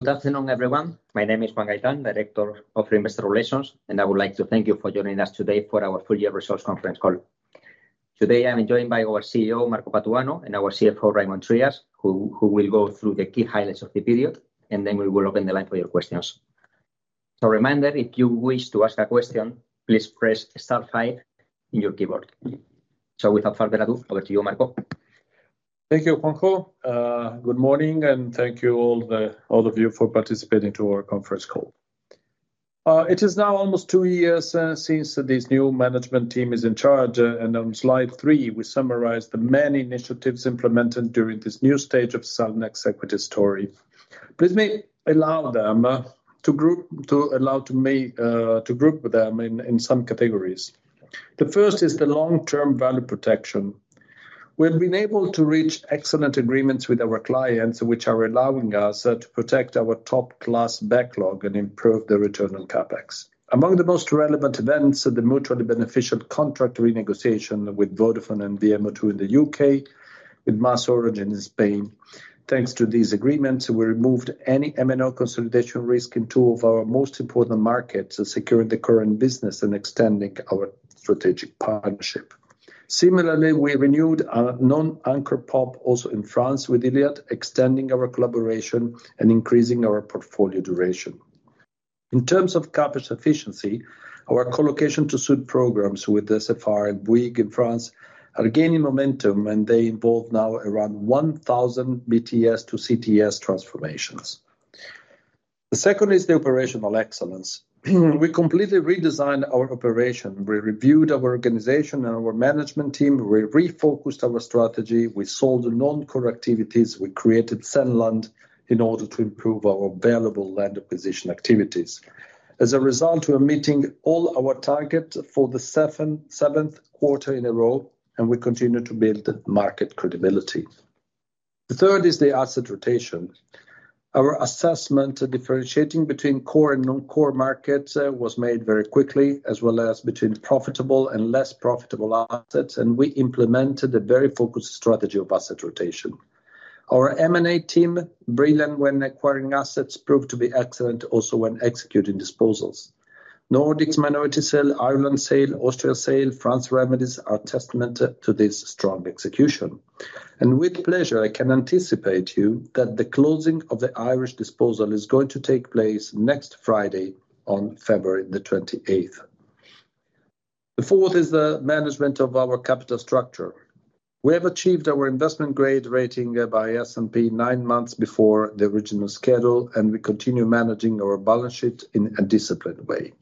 Good afternoon, everyone. My name is Juan Gaitán, Director of Investor Relations, and I would like to thank you for joining us today for our full-year results conference call. Today, I'm joined by our CEO, Marco Patuano, and our CFO, Raimon Trias, who will go through the key highlights of the period, and then we will open the line for your questions. So, reminder, if you wish to ask a question, please press *5 on your keyboard. So, without further ado, over to you, Marco. Thank you, Juanjo. Good morning, and thank you all of you for participating in our conference call. It is now almost two years since this new management team is in charge, and on slide three, we summarize the many initiatives implemented during this new stage of Cellnex equity story. Please allow me to group them in some categories. The first is the long-term value protection. We've been able to reach excellent agreements with our clients, which are allowing us to protect our top-class backlog and improve the return on CapEx. Among the most relevant events are the mutually beneficial contract renegotiation with Vodafone and VMO2 in the U.K., with MasOrange in Spain. Thanks to these agreements, we removed any M&O consolidation risk in two of our most important markets, securing the current business and extending our strategic partnership. Similarly, we renewed our non-anchor PoP also in France with Iliad, extending our collaboration and increasing our portfolio duration. In terms of CapEx efficiency, our colocation-to-suit programs with SFR and Bouygues in France are gaining momentum, and they involve now around 1,000 BTS to CTS transformations. The second is the operational excellence. We completely redesigned our operation. We reviewed our organization and our management team. We refocused our strategy. We sold non-core activities. We created Cellnex in order to improve our available land acquisition activities. As a result, we are meeting all our targets for the seventh quarter in a row, and we continue to build market credibility. The third is the asset rotation. Our assessment differentiating between core and non-core markets was made very quickly, as well as between profitable and less profitable assets, and we implemented a very focused strategy of asset rotation. Our M&A team, brilliant when acquiring assets, proved to be excellent also when executing disposals. Nordics minority sale, Ireland sale, Austria sale, France remedies are a testament to this strong execution. With pleasure, I can anticipate you that the closing of the Irish disposal is going to take place next Friday, on February the 28th. The fourth is the management of our capital structure. We have achieved our investment-grade rating by S&P nine months before the original schedule, and we continue managing our balance sheet in a disciplined way.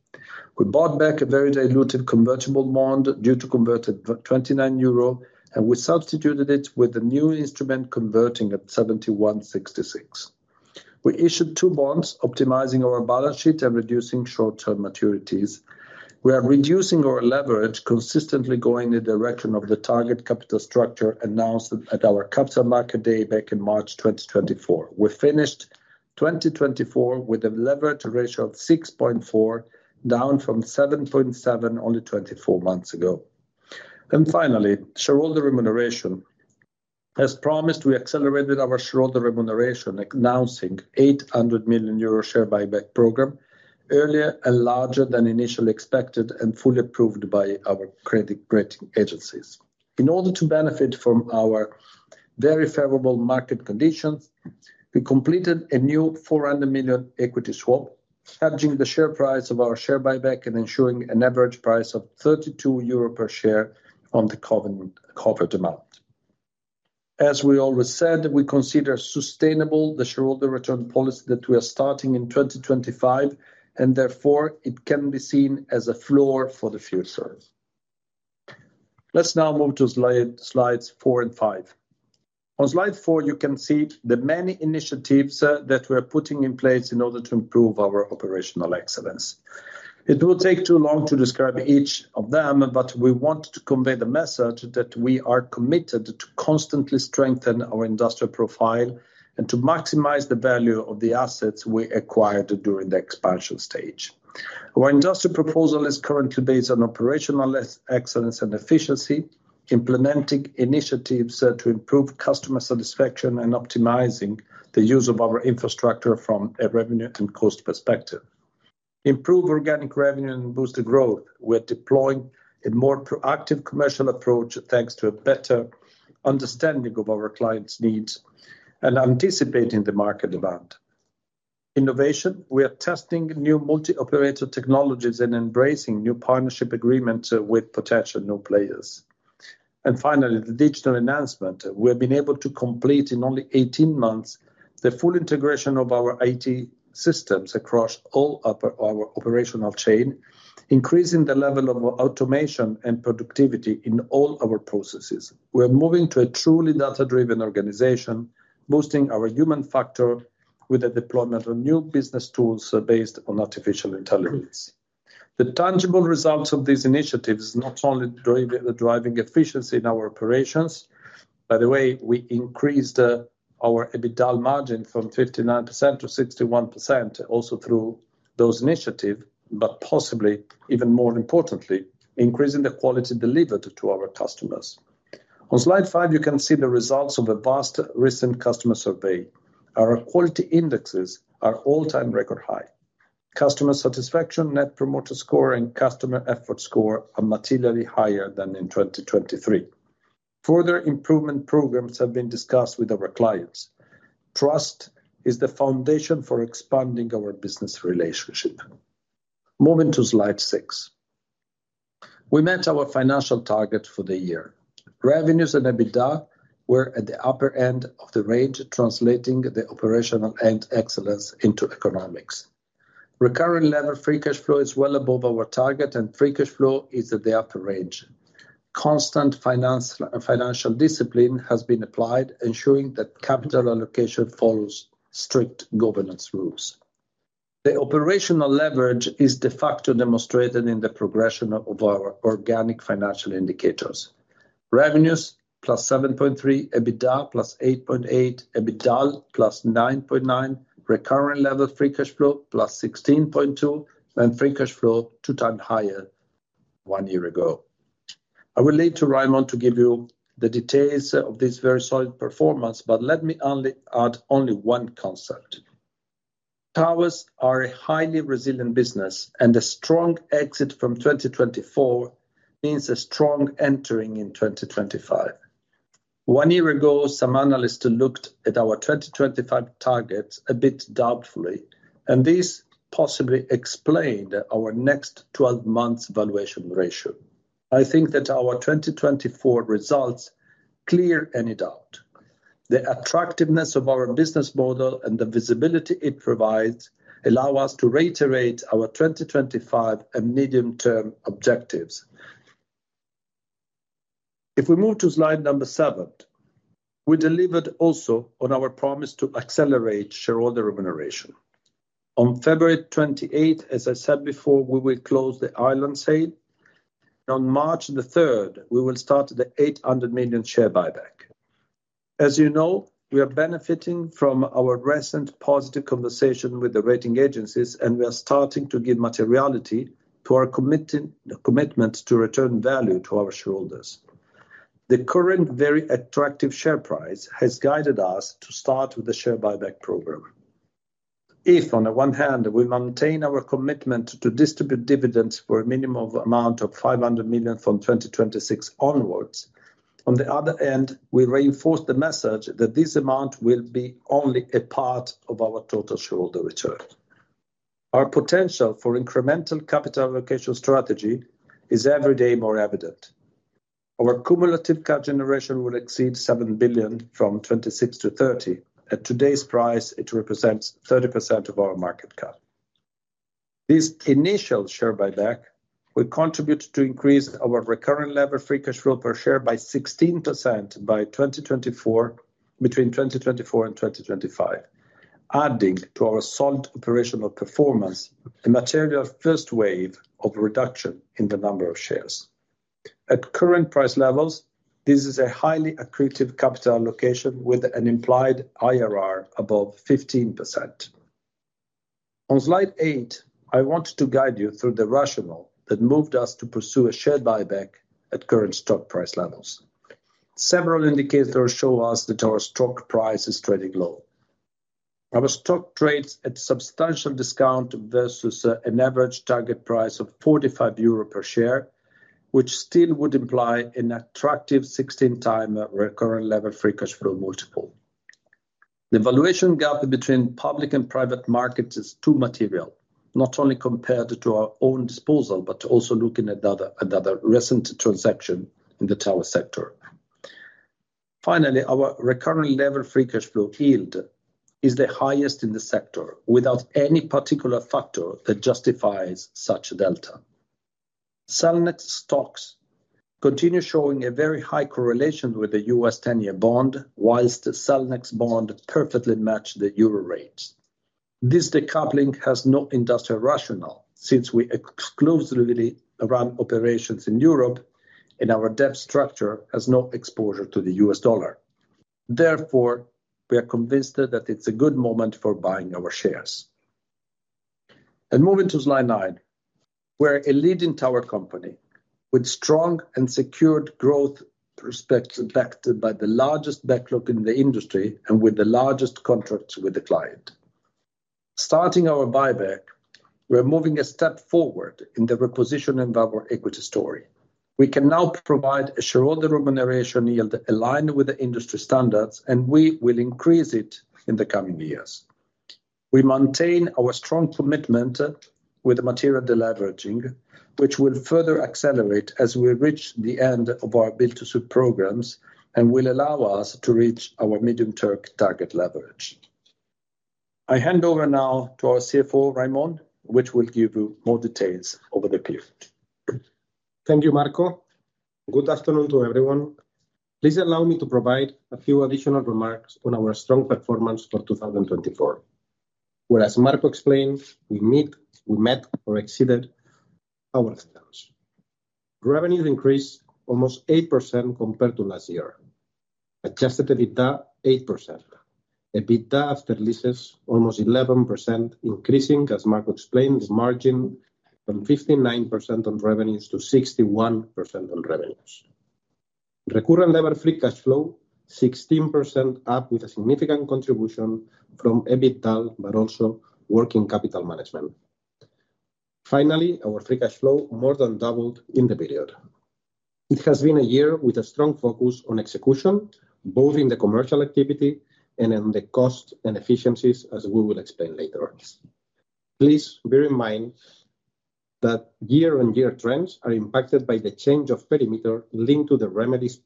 We bought back a very diluted convertible bond due to converted 29 euro, and we substituted it with a new instrument converting at 71.66. We issued two bonds, optimizing our balance sheet and reducing short-term maturities. We are reducing our leverage, consistently going in the direction of the target capital structure announced at our Capital Markets Day back in March 2024. We finished 2024 with a leverage ratio of 6.4, down from 7.7 only 24 months ago. And finally, shareholder remuneration. As promised, we accelerated our shareholder remuneration, announcing 800 million euro share buyback program, earlier and larger than initially expected and fully approved by our credit rating agencies. In order to benefit from our very favorable market conditions, we completed a new 400 million equity swap, hedging the share price of our share buyback and ensuring an average price of 32 euro per share on the covered amount. As we always said, we consider sustainable the shareholder return policy that we are starting in 2025, and therefore it can be seen as a floor for the future. Let's now move to slides four and five. On slide four, you can see the many initiatives that we are putting in place in order to improve our operational excellence. It will take too long to describe each of them, but we want to convey the message that we are committed to constantly strengthen our industrial profile and to maximize the value of the assets we acquired during the expansion stage. Our industrial proposal is currently based on operational excellence and efficiency, implementing initiatives to improve customer satisfaction and optimizing the use of our infrastructure from a revenue and cost perspective. Improve organic revenue and boost the growth. We are deploying a more proactive commercial approach thanks to a better understanding of our clients' needs and anticipating the market demand. Innovation, we are testing new multi-operator technologies and embracing new partnership agreements with potential new players. And finally, the digital enhancement. We have been able to complete in only 18 months the full integration of our IT systems across all of our operational chain, increasing the level of automation and productivity in all our processes. We are moving to a truly data-driven organization, boosting our human factor with the deployment of new business tools based on artificial intelligence. The tangible results of these initiatives not only driving efficiency in our operations. By the way, we increased our EBITDA margin from 59%-61% also through those initiatives, but possibly, even more importantly, increasing the quality delivered to our customers. On slide five, you can see the results of a vast recent customer survey. Our quality indexes are all-time record high. Customer satisfaction, net promoter score, and customer effort score are materially higher than in 2023. Further improvement programs have been discussed with our clients. Trust is the foundation for expanding our business relationship. Moving to slide six. We met our financial targets for the year. Revenues and EBITDA were at the upper end of the range, translating the operational excellence into economics. Recurring leveraged free cash flow is well above our target, and free cash flow is at the upper range. Constant financial discipline has been applied, ensuring that capital allocation follows strict governance rules. The operational leverage is de facto demonstrated in the progression of our organic financial indicators. Revenues +7.3%, EBITDA +8.8%, EBITDA +9.9%, recurring leveraged free cash flow +16.2%, and free cash flow two times higher one year ago. I will leave to Raimon to give you the details of this very solid performance, but let me only add only one concept. Towers are a highly resilient business, and a strong exit from 2024 means a strong entering in 2025. One year ago, some analysts looked at our 2025 targets a bit doubtfully, and this possibly explained our next 12-month valuation ratio. I think that our 2024 results clear any doubt. The attractiveness of our business model and the visibility it provides allow us to reiterate our 2025 and medium-term objectives. If we move to slide number seven, we delivered also on our promise to accelerate shareholder remuneration. On February 28th, as I said before, we will close the Ireland sale. On March the 3rd, we will start the 800 million share buyback. As you know, we are benefiting from our recent positive conversation with the rating agencies, and we are starting to give materiality to our commitment to return value to our shareholders. The current very attractive share price has guided us to start with the share buyback program. If, on the one hand, we maintain our commitment to distribute dividends for a minimum amount of 500 million from 2026 onwards, on the other hand, we reinforce the message that this amount will be only a part of our total shareholder return. Our potential for incremental capital allocation strategy is every day more evident. Our cumulative cash generation will exceed 7 billion from 2026-2030. At today's price, it represents 30% of our market cap. This initial share buyback will contribute to increase our recurring leveraged free cash flow per share by 16% by 2024, between 2024 and 2025, adding to our solid operational performance, a material first wave of reduction in the number of shares. At current price levels, this is a highly accretive capital allocation with an implied IRR above 15%. On slide eight, I want to guide you through the rationale that moved us to pursue a share buyback at current stock price levels. Several indicators show us that our stock price is trading low. Our stock trades at a substantial discount versus an average target price of 45 euro per share, which still would imply an attractive 16-time recurring level free cash flow multiple. The valuation gap between public and private markets is too material, not only compared to our own disposal, but also looking at other recent transactions in the tower sector. Finally, our recurring level free cash flow yield is the highest in the sector without any particular factor that justifies such a delta. Cellnex stocks continue showing a very high correlation with the U.S. 10-year bond, while Cellnex bond perfectly matched the euro rates. This decoupling has no industrial rationale since we exclusively run operations in Europe, and our debt structure has no exposure to the U.S. dollar. Therefore, we are convinced that it's a good moment for buying our shares, and moving to slide nine, we're a leading tower company with strong and secured growth perspective backed by the largest backlog in the industry and with the largest contracts with the client. Starting our buyback, we're moving a step forward in the repositioning of our equity story. We can now provide a shareholder remuneration yield aligned with the industry standards, and we will increase it in the coming years. We maintain our strong commitment with the material deleveraging, which will further accelerate as we reach the end of our B2C programs and will allow us to reach our medium-term target leverage. I hand over now to our CFO, Raimon, who will give you more details over the period. Thank you, Marco. Good afternoon to everyone. Please allow me to provide a few additional remarks on our strong performance for 2024. As Marco explained, we met or exceeded our expectations. Revenues increased almost 8% compared to last year, adjusted EBITDA 8%. EBITDA after leases almost 11%, increasing, as Marco explained, the margin from 59% on revenues to 61% on revenues. Recurring level free cash flow, 16% up with a significant contribution from EBITDA, but also working capital management. Finally, our free cash flow more than doubled in the period. It has been a year with a strong focus on execution, both in the commercial activity and in the cost and efficiencies, as we will explain later on. Please bear in mind that year-on-year trends are impacted by the change of perimeter linked to the remedies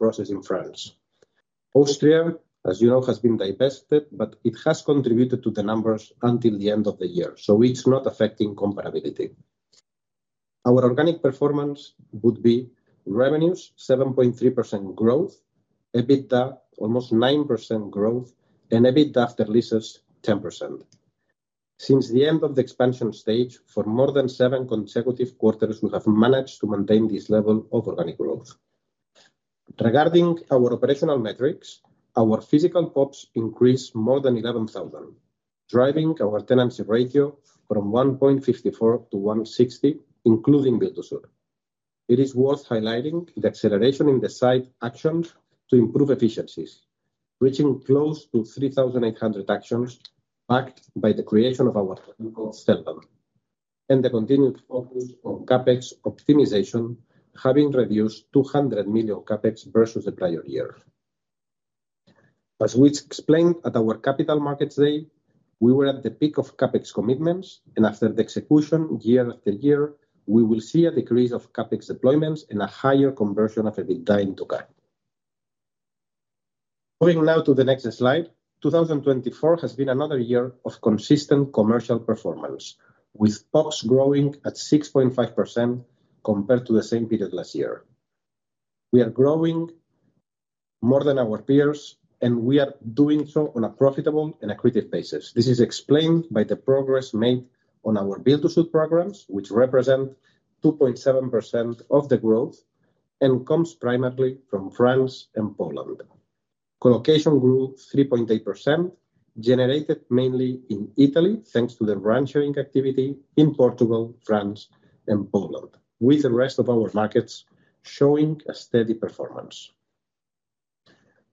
process in France. Austria, as you know, has been divested, but it has contributed to the numbers until the end of the year, so it's not affecting comparability. Our organic performance would be revenues, 7.3% growth, EBITDA almost 9% growth, and EBITDA after leases 10%. Since the end of the expansion stage, for more than seven consecutive quarters, we have managed to maintain this level of organic growth. Regarding our operational metrics, our physical PoPs increased more than 11,000, driving our tenancy ratio from 1.54 to 1.60, including BTS. It is worth highlighting the acceleration in the site actions to improve efficiencies, reaching close to 3,800 actions backed by the creation of our technical cell number and the continued focus on CapEx optimization, having reduced 200 million CapEx versus the prior year. As we explained at our Capital Markets Day, we were at the peak of CapEx commitments, and after the execution, year after year, we will see a decrease of CapEx deployments and a higher conversion of EBITDA into cash. Moving now to the next slide, 2024 has been another year of consistent commercial performance, with POPs growing at 6.5% compared to the same period last year. We are growing more than our peers, and we are doing so on a profitable and accretive basis. This is explained by the progress made on our BTS programs, which represent 2.7% of the growth and comes primarily from France and Poland. Colocation grew 3.8%, generated mainly in Italy thanks to the branching activity in Portugal, France, and Poland, with the rest of our markets showing a steady performance.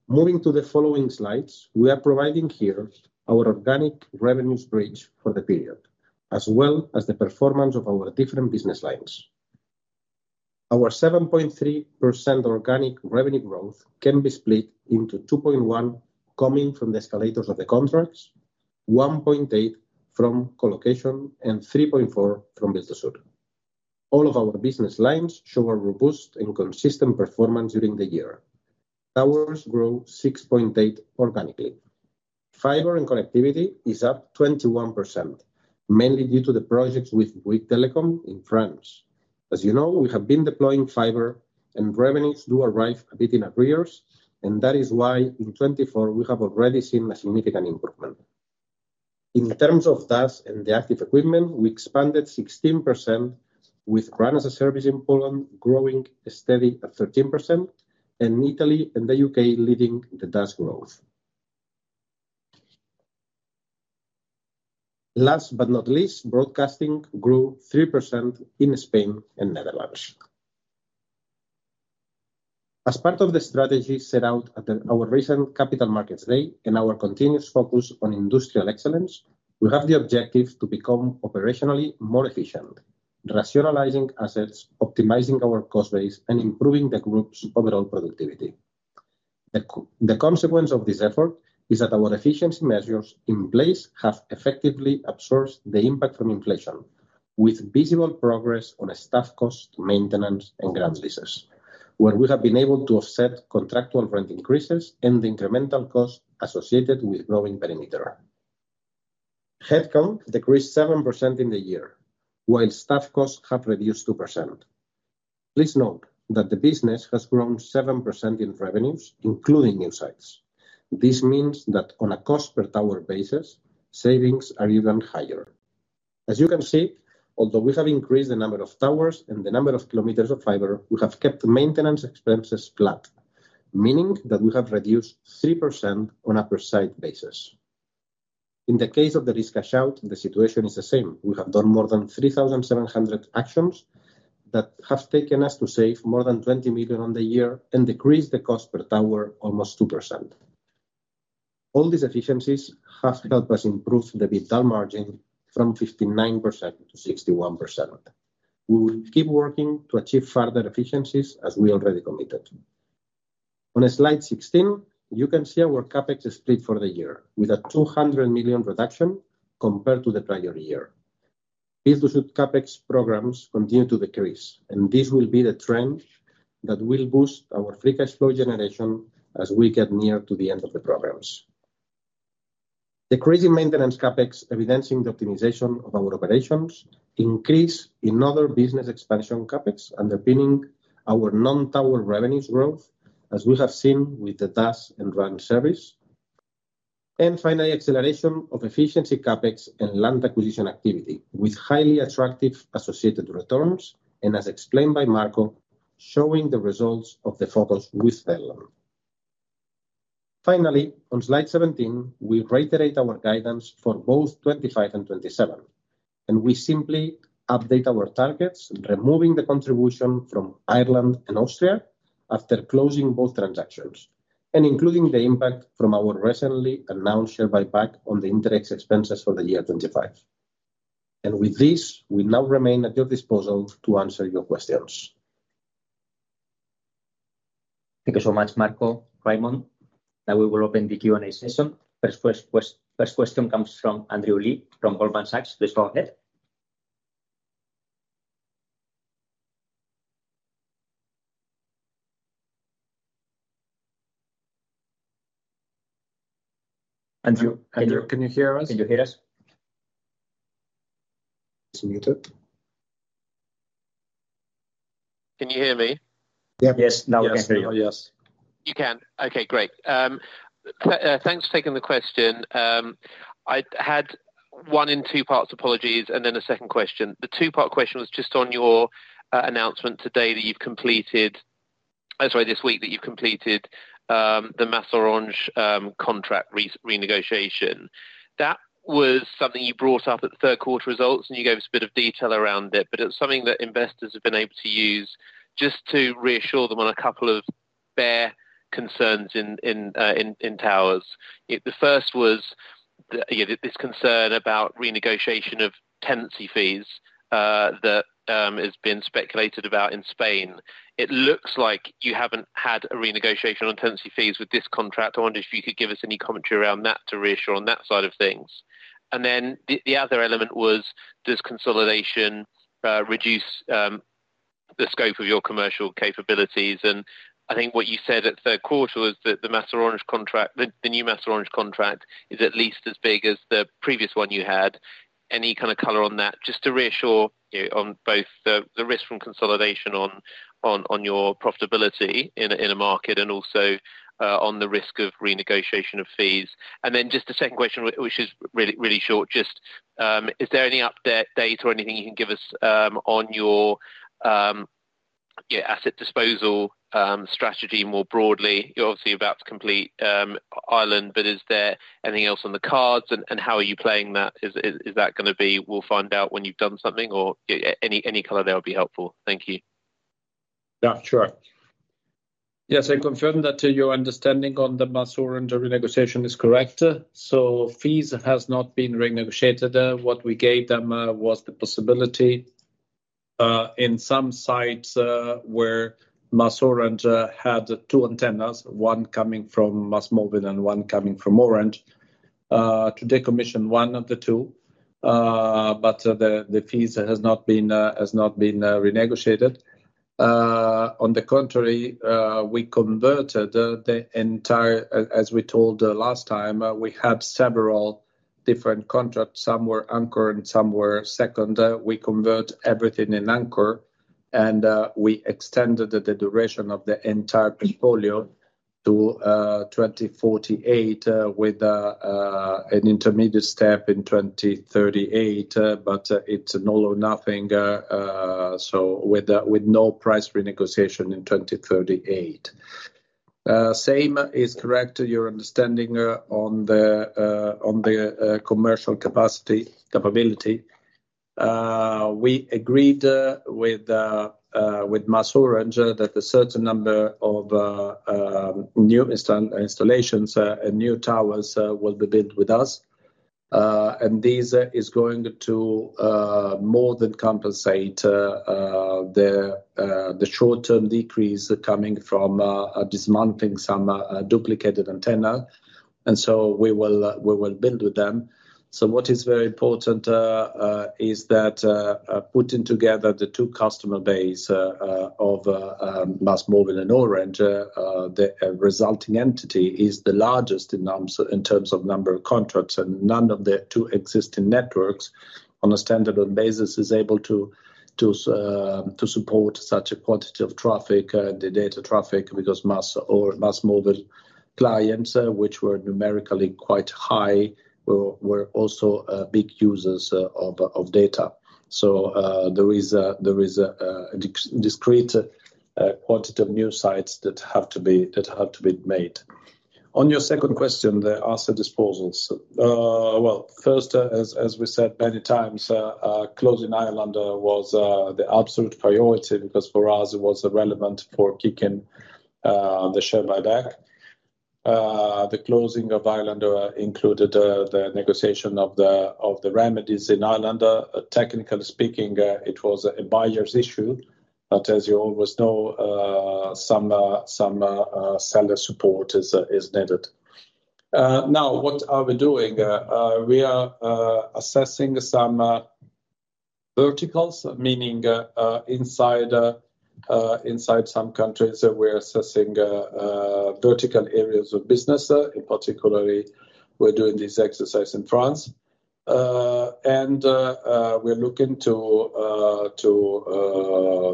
Moving to the following slides, we are providing here our organic revenues bridge for the period, as well as the performance of our different business lines. Our 7.3% organic revenue growth can be split into 2.1% coming from the escalators of the contracts, 1.8% from colocation, and 3.4% from BTS. All of our business lines show a robust and consistent performance during the year. Towers grew 6.8% organically. Fiber and connectivity is up 21%, mainly due to the projects with Bouygues Telecom in France. As you know, we have been deploying fiber, and revenues do arrive a bit in arrears, and that is why in 2024 we have already seen a significant improvement. In terms of DAS and the active equipment, we expanded 16% with RAN services in Poland growing steady at 13%, and Italy and the U.K. leading the DAS growth. Last but not least, broadcasting grew 3% in Spain and Netherlands. As part of the strategy set out at our recent Capital Markets Day and our continuous focus on industrial excellence, we have the objective to become operationally more efficient, rationalizing assets, optimizing our cost base, and improving the group's overall productivity. The consequence of this effort is that our efficiency measures in place have effectively absorbed the impact from inflation, with visible progress on staff costs, maintenance, and grant leases, where we have been able to offset contractual rent increases and the incremental costs associated with growing perimeter. Headcount decreased 7% in the year, while staff costs have reduced 2%. Please note that the business has grown 7% in revenues, including new sites. This means that on a cost per tower basis, savings are even higher. As you can see, although we have increased the number of towers and the number of kilometers of fiber, we have kept maintenance expenses flat, meaning that we have reduced 3% on a per site basis. In the case of the lease cash out, the situation is the same. We have done more than 3,700 actions that have taken us to save more than 20 million on the year and decreased the cost per tower almost 2%. All these efficiencies have helped us improve the BTS margin from 59%-61%. We will keep working to achieve further efficiencies, as we already committed. On slide 16, you can see our CapEx split for the year with a 200 million reduction compared to the prior year. BTS CapEx programs continue to decrease, and this will be the trend that will boost our free cash flow generation as we get near to the end of the programs. Decreasing maintenance CapEx, evidencing the optimization of our operations, increase in other business expansion CapEx underpinning our non-tower revenues growth, as we have seen with the DAS and RAN service, and finally, acceleration of efficiency CapEx and land acquisition activity with highly attractive associated returns, and as explained by Marco, showing the results of the focus with Ireland. Finally, on slide 17, we reiterate our guidance for both 2025 and 2027, and we simply update our targets, removing the contribution from Ireland and Austria after closing both transactions and including the impact from our recently announced share buyback on the interest expenses for the year 2025. With this, we now remain at your disposal to answer your questions. Thank you so much, Marco, Raimon. Now we will open the Q&A session. First question comes from Andrew Lee from Goldman Sachs. Please go ahead. Andrew, can you hear us? Can you hear us? It's muted. Can you hear me? Yes, now we can hear you. Yes. You can? Okay, great. Thanks for taking the question. I had one in two parts, apologies, and then a second question. The two-part question was just on your announcement today that you've completed, sorry, this week that you've completed the MasOrange contract renegotiation. That was something you brought up at the third quarter results, and you gave us a bit of detail around it, but it's something that investors have been able to use just to reassure them on a couple of bear concerns in towers. The first was this concern about renegotiation of tenancy fees that has been speculated about in Spain. It looks like you haven't had a renegotiation on tenancy fees with this contract. I wonder if you could give us any commentary around that to reassure on that side of things. And then the other element was, does consolidation reduce the scope of your commercial capabilities? And I think what you said at the third quarter was that the MasOrange contract, the new MasOrange contract, is at least as big as the previous one you had. Any kind of color on that? Just to reassure on both the risk from consolidation on your profitability in a market and also on the risk of renegotiation of fees. And then just the second question, which is really short, just is there any update or anything you can give us on your asset disposal strategy more broadly? You're obviously about to complete Ireland, but is there anything else on the cards and how are you playing that? Is that going to be, we'll find out when you've done something or any color there will be helpful. Thank you. Yeah, sure. Yes, I confirm that your understanding on the MasOrange renegotiation is correct. So fees have not been renegotiated. What we gave them was the possibility in some sites where MasOrange had two antennas, one coming from MasMovil and one coming from Orange, to decommission one of the two, but the fees have not been renegotiated. On the contrary, we converted the entire, as we told last time, we had several different contracts. Some were Anchor and some were second. We convert everything in Anchor and we extended the duration of the entire portfolio to 2048 with an intermediate step in 2038, but it's an all or nothing. So with no price renegotiation in 2038. Same is correct to your understanding on the commercial capacity, capability. We agreed with MasOrange that a certain number of new installations and new towers will be built with us, and this is going to more than compensate the short-term decrease coming from dismantling some duplicated antenna, and so we will build with them. So what is very important is that putting together the two customer bases of MasMovil and Orange, the resulting entity is the largest in terms of number of contracts, and none of the two existing networks on a standalone basis is able to support such a quantity of traffic, the data traffic, because MasMovil clients, which were numerically quite high, were also big users of data. So there is a discrete quantity of new sites that have to be made. On your second question, the asset disposals. First, as we said many times, closing Ireland was the absolute priority because for us it was relevant for kicking the share buyback. The closing of Ireland included the negotiation of the remedies in Ireland. Technically speaking, it was a buyer's issue, but as you always know, some seller support is needed. Now, what are we doing? We are assessing some verticals, meaning inside some countries, we're assessing vertical areas of business. In particular, we're doing this exercise in France, and we're looking to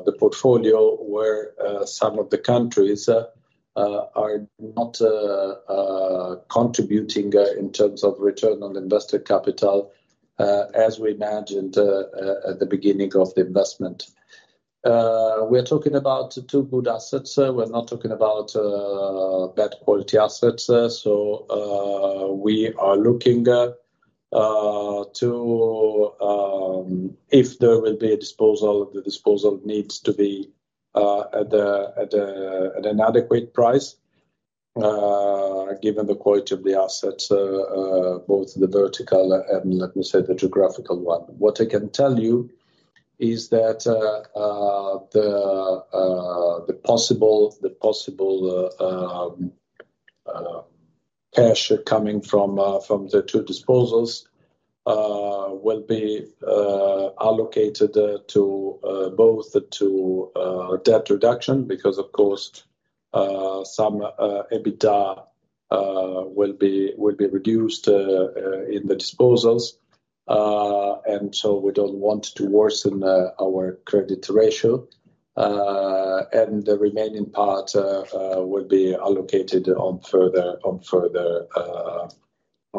the portfolio where some of the countries are not contributing in terms of return on invested capital as we imagined at the beginning of the investment. We're talking about two good assets. We're not talking about bad quality assets. So we are looking to, if there will be a disposal, the disposal needs to be at an adequate price given the quality of the assets, both the vertical and, let me say, the geographical one. What I can tell you is that the possible cash coming from the two disposals will be allocated both to debt reduction because, of course, some EBITDA will be reduced in the disposals, and so we don't want to worsen our credit ratio. And the remaining part will be allocated on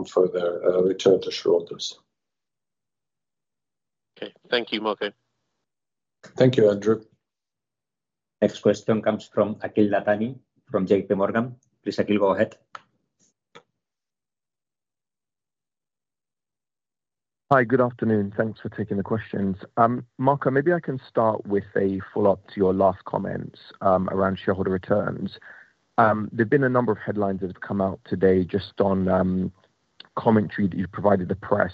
further return to shareholders. Okay. Thank you, Marco. Thank you, Andrew. Next question comes from Akhil Dattani, from JP Morgan. Please, Akhil, go ahead. Hi, good afternoon. Thanks for taking the questions. Marco, maybe I can start with a follow-up to your last comments around shareholder returns. There've been a number of headlines that have come out today just on commentary that you've provided the press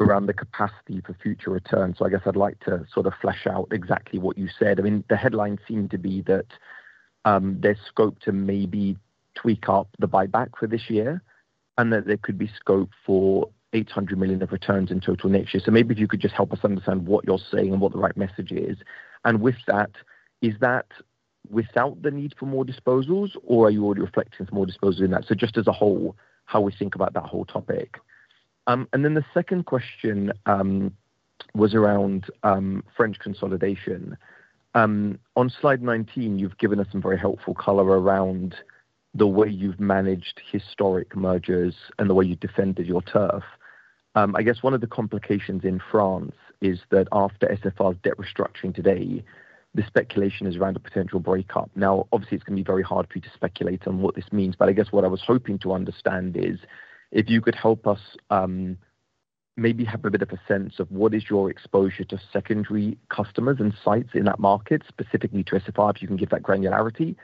around the capacity for future returns, so I guess I'd like to sort of flesh out exactly what you said. I mean, the headlines seem to be that there's scope to maybe tweak up the buyback for this year and that there could be scope for 800 million of returns in total next year, so maybe if you could just help us understand what you're saying and what the right message is, and with that, is that without the need for more disposals, or are you already reflecting some more disposals in that, so just as a whole, how we think about that whole topic, and then the second question was around French consolidation. On slide 19, you've given us some very helpful color around the way you've managed historic mergers and the way you've defended your turf. I guess one of the complications in France is that after SFR's debt restructuring today, the speculation is around a potential breakup. Now, obviously, it's going to be very hard for you to speculate on what this means, but I guess what I was hoping to understand is if you could help us maybe have a bit of a sense of what is your exposure to secondary customers and sites in that market, specifically to SFR, if you can give that granularity,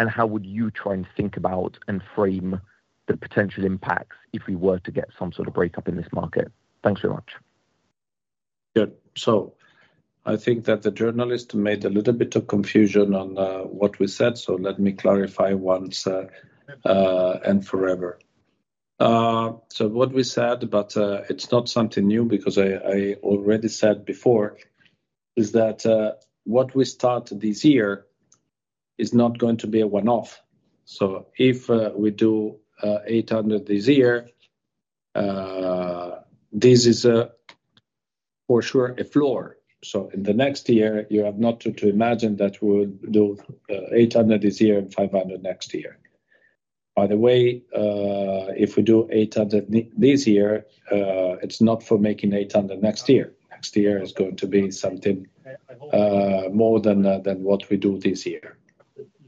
and how would you try and think about and frame the potential impacts if we were to get some sort of breakup in this market? Thanks very much. So I think that the journalist made a little bit of confusion on what we said, so let me clarify once and forever. So what we said, but it's not something new because I already said before, is that what we start this year is not going to be a one-off. So if we do 800 this year, this is for sure a floor. So in the next year, you have not to imagine that we will do 800 this year and 500 next year. By the way, if we do 800 this year, it's not for making 800 next year. Next year is going to be something more than what we do this year.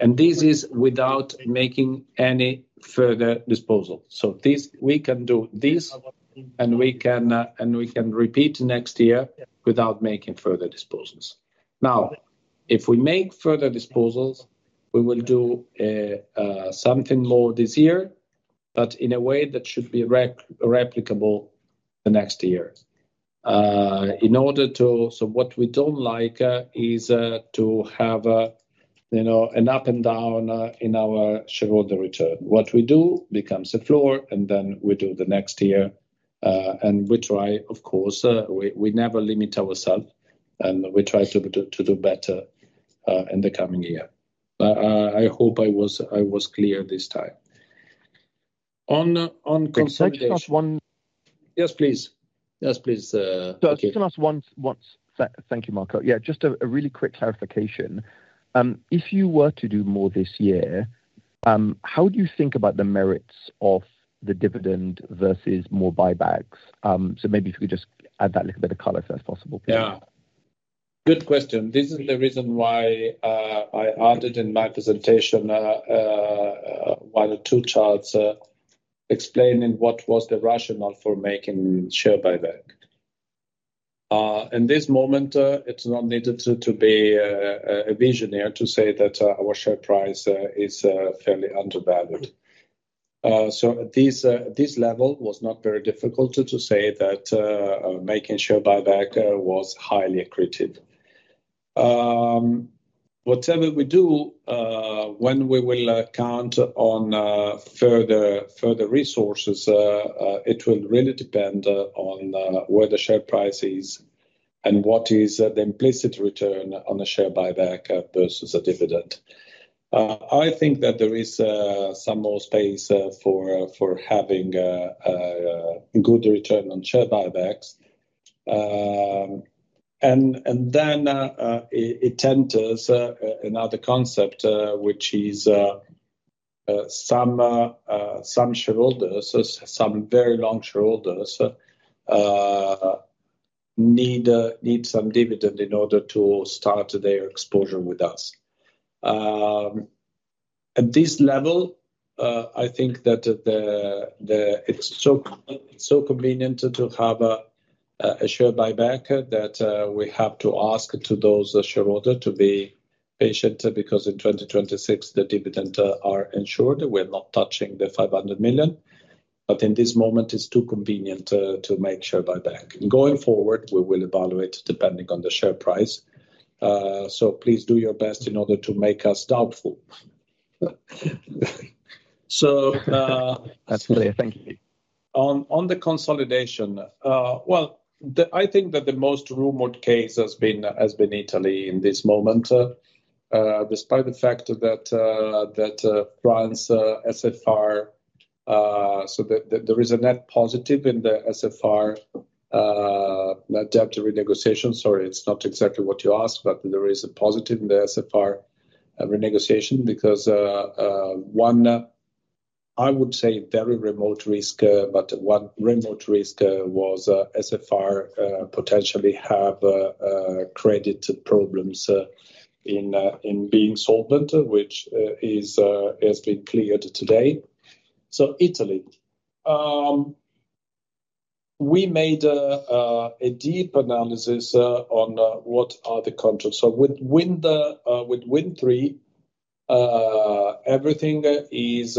And this is without making any further disposal. So we can do this, and we can repeat next year without making further disposals. Now, if we make further disposals, we will do something more this year, but in a way that should be replicable the next year. In order to do so, what we don't like is to have an up and down in our shareholder return. What we do becomes a floor, and then we do the next year. And we try, of course, we never limit ourselves, and we try to do better in the coming year. I hope I was clear this time. On consolidation. Can I ask you just one? Yes, please. Yes, please. Just ask once. Thank you, Marco. Yeah, just a really quick clarification. If you were to do more this year, how would you think about the merits of the dividend versus more buybacks? So maybe if you could just add that little bit of color if that's possible, please. Yeah. Good question. This is the reason why I added in my presentation one or two charts explaining what was the rationale for making share buyback. In this moment, it's not needed to be a visionary to say that our share price is fairly undervalued, so at this level, it was not very difficult to say that making share buyback was highly accretive. Whatever we do, when we will count on further resources, it will really depend on where the share price is and what is the implicit return on a share buyback versus a dividend. I think that there is some more space for having a good return on share buybacks, and then it enters another concept, which is some shareholders, some very long shareholders, need some dividend in order to start their exposure with us. At this level, I think that it's so convenient to have a share buyback that we have to ask those shareholders to be patient because in 2026, the dividends are insured. We're not touching 500 million, but in this moment, it's too convenient to make share buyback. Going forward, we will evaluate depending on the share price. So please do your best in order to make us doubtful. So. Absolutely. Thank you. On the consolidation, I think that the most rumored case has been Italy in this moment. Despite the fact that France, SFR, so there is a net positive in the SFR debt renegotiation. Sorry, it's not exactly what you asked, but there is a positive in the SFR renegotiation because one, I would say very remote risk, but one remote risk was SFR potentially have credit problems in being solvent, which has been cleared today. So Italy, we made a deep analysis on what are the contracts. So with Wind Tre, everything is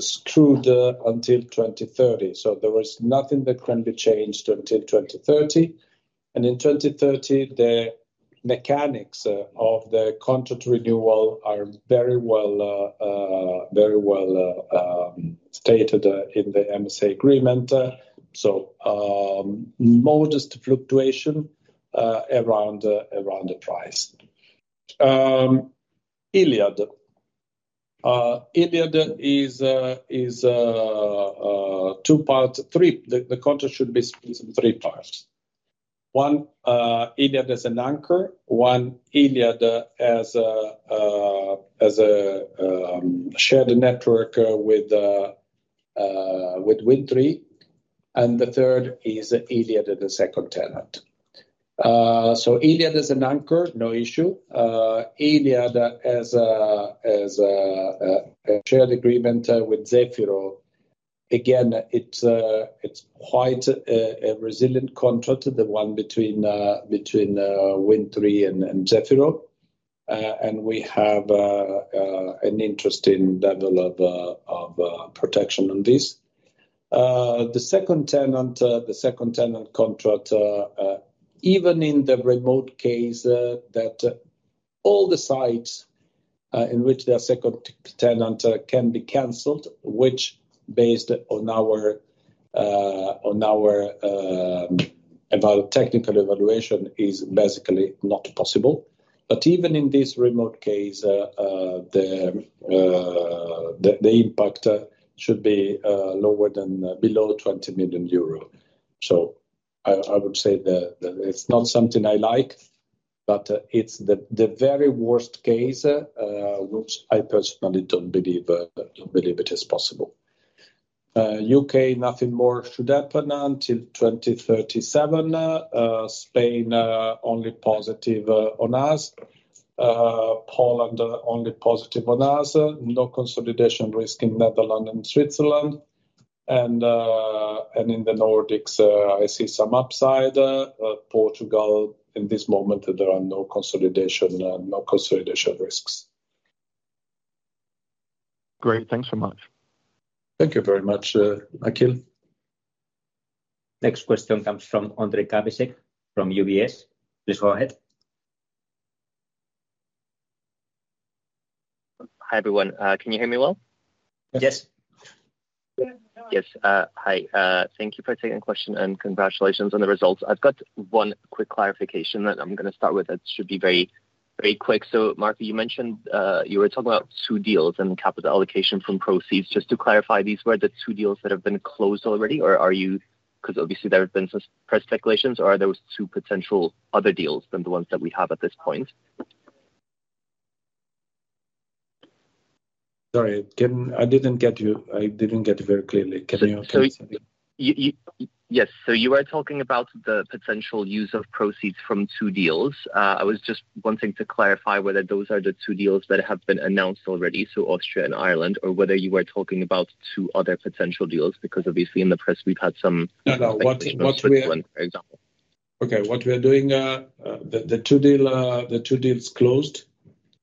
screwed until 2030. So there was nothing that can be changed until 2030. And in 2030, the mechanics of the contract renewal are very well stated in the MSA agreement. So modest fluctuation around the price. Iliad. Iliad is two parts. The contract should be split in three parts. One, Iliad as an anchor. One, Iliad as a shared network with Wind Tre. And the third is Iliad as a second tenant. So Iliad as an anchor, no issue. Iliad as a shared agreement with Zefiro. Again, it's quite a resilient contract, the one between Wind Tre and Zefiro. And we have an interesting level of protection on this. The second tenant, the second tenant contract, even in the remote case that all the sites in which the second tenant can be canceled, which based on our technical evaluation is basically not possible. But even in this remote case, the impact should be lower than below 20 million euro. So I would say that it's not something I like, but it's the very worst case, which I personally don't believe it is possible. U.K., nothing more should happen until 2037. Spain, only positive on us. Poland, only positive on us. No consolidation risk in Netherlands and Switzerland. In the Nordics, I see some upside. Portugal, in this moment, there are no consolidation risks. Great. Thanks so much. Thank you very much, Akhil. Next question comes from Ondrej Cabejšek from UBS. Please go ahead. Hi everyone. Can you hear me well? Yes. Yes. Hi. Thank you for taking the question and congratulations on the results. I've got one quick clarification that I'm going to start with that should be very quick. So Marco, you mentioned you were talking about two deals and capital allocation from proceeds. Just to clarify, these were the two deals that have been closed already, or are you, because obviously there have been some press speculations, or are there two potential other deals than the ones that we have at this point? Sorry, I didn't get you. I didn't get you very clearly. Can you hear me? Sorry. Yes. So you were talking about the potential use of proceeds from two deals. I was just wanting to clarify whether those are the two deals that have been announced already, so Austria and Ireland, or whether you were talking about two other potential deals because obviously in the press, we've had some examples. No, no. What we're doing, the two deals closed,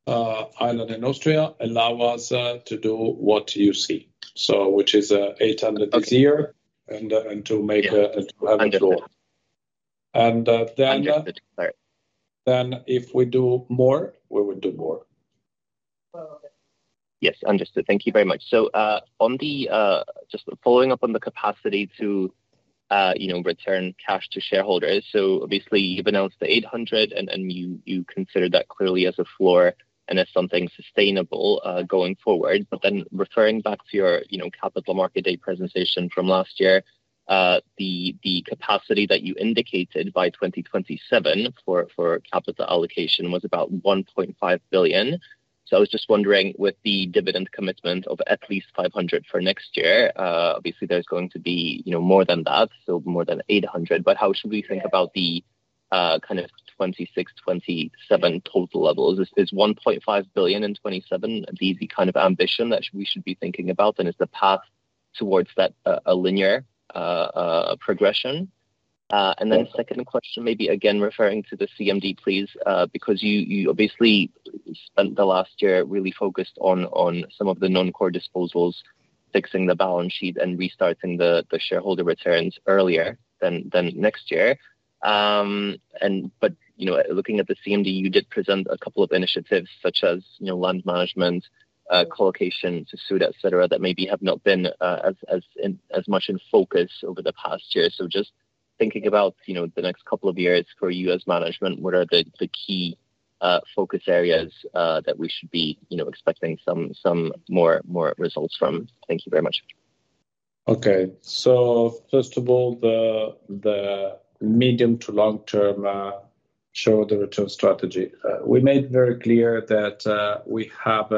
Ireland and Austria, allow us to do what you see, which is 800 this year, and to make and to have a floor. And then if we do more, we would do more. Yes. Understood. Thank you very much. So just following up on the capacity to return cash to shareholders. So obviously, you've announced the 800, and you consider that clearly as a floor and as something sustainable going forward. But then referring back to your Capital Markets Day presentation from last year, the capacity that you indicated by 2027 for capital allocation was about 1.5 billion. I was just wondering, with the dividend commitment of at least 500 million for next year, obviously, there's going to be more than that, so more than 800 million. But how should we think about the kind of 2026, 2027 total levels? Is 1.5 billion in 2027 the kind of ambition that we should be thinking about, and is the path towards that a linear progression? And then second question, maybe again referring to the CMD, please, because you obviously spent the last year really focused on some of the non-core disposals, fixing the balance sheet and restarting the shareholder returns earlier than next year. But looking at the CMD, you did present a couple of initiatives such as land management, collocation-to-suit, etc., that maybe have not been as much in focus over the past year. So just thinking about the next couple of years for you as management, what are the key focus areas that we should be expecting some more results from? Thank you very much. Okay. So first of all, the medium to long-term shareholder return strategy. We made very clear that we have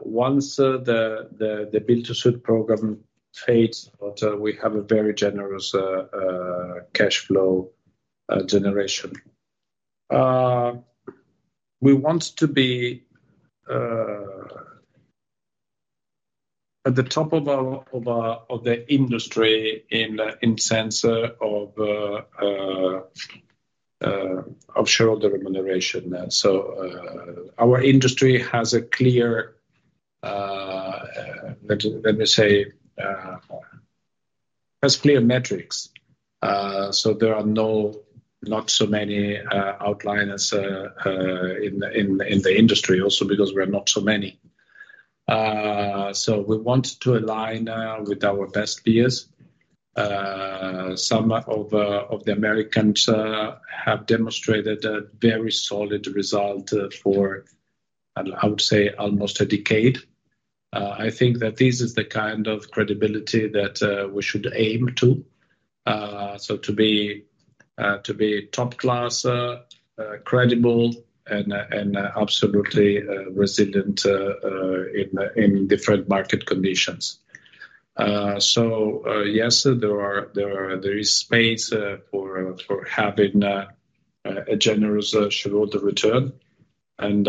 once the build-to-suit program fades, we have a very generous cash flow generation. We want to be at the top of the industry in sense of shareholder remuneration. So our industry has a clear, let me say, has clear metrics. So there are not so many outliers in the industry also because we're not so many. So we want to align with our best peers. Some of the Americans have demonstrated a very solid result for, I would say, almost a decade. I think that this is the kind of credibility that we should aim to, so to be top-class, credible, and absolutely resilient in different market conditions. So yes, there is space for having a generous shareholder return, and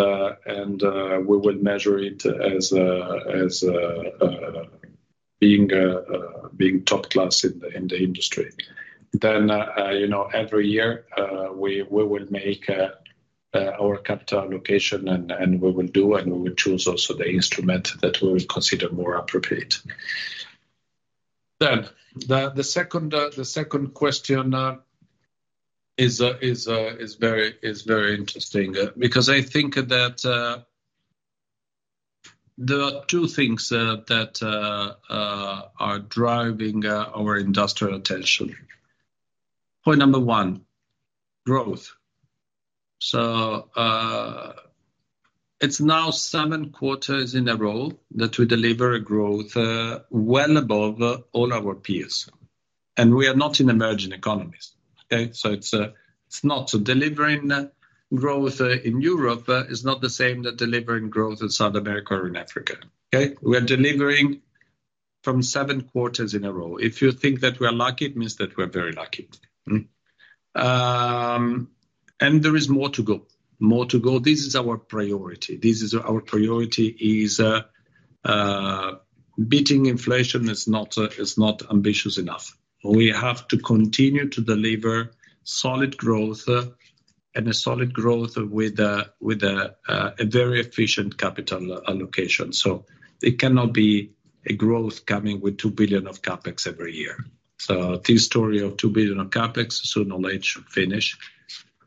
we will measure it as being top-class in the industry. Then every year, we will make our capital allocation, and we will do, and we will choose also the instrument that we will consider more appropriate. Then the second question is very interesting because I think that there are two things that are driving our industrial attention. Point number one, growth. So it's now seven quarters in a row that we deliver growth well above all our peers. And we are not in emerging economies. Okay? So it's not, delivering growth in Europe is not the same as delivering growth in South America or in Africa. Okay? We are delivering from seven quarters in a row. If you think that we are lucky, it means that we are very lucky, and there is more to go. More to go. This is our priority. This is our priority is beating inflation is not ambitious enough. We have to continue to deliver solid growth and a solid growth with a very efficient capital allocation, so it cannot be a growth coming with two billion of CapEx every year. So this story of two billion of CapEx, sooner or later, should finish.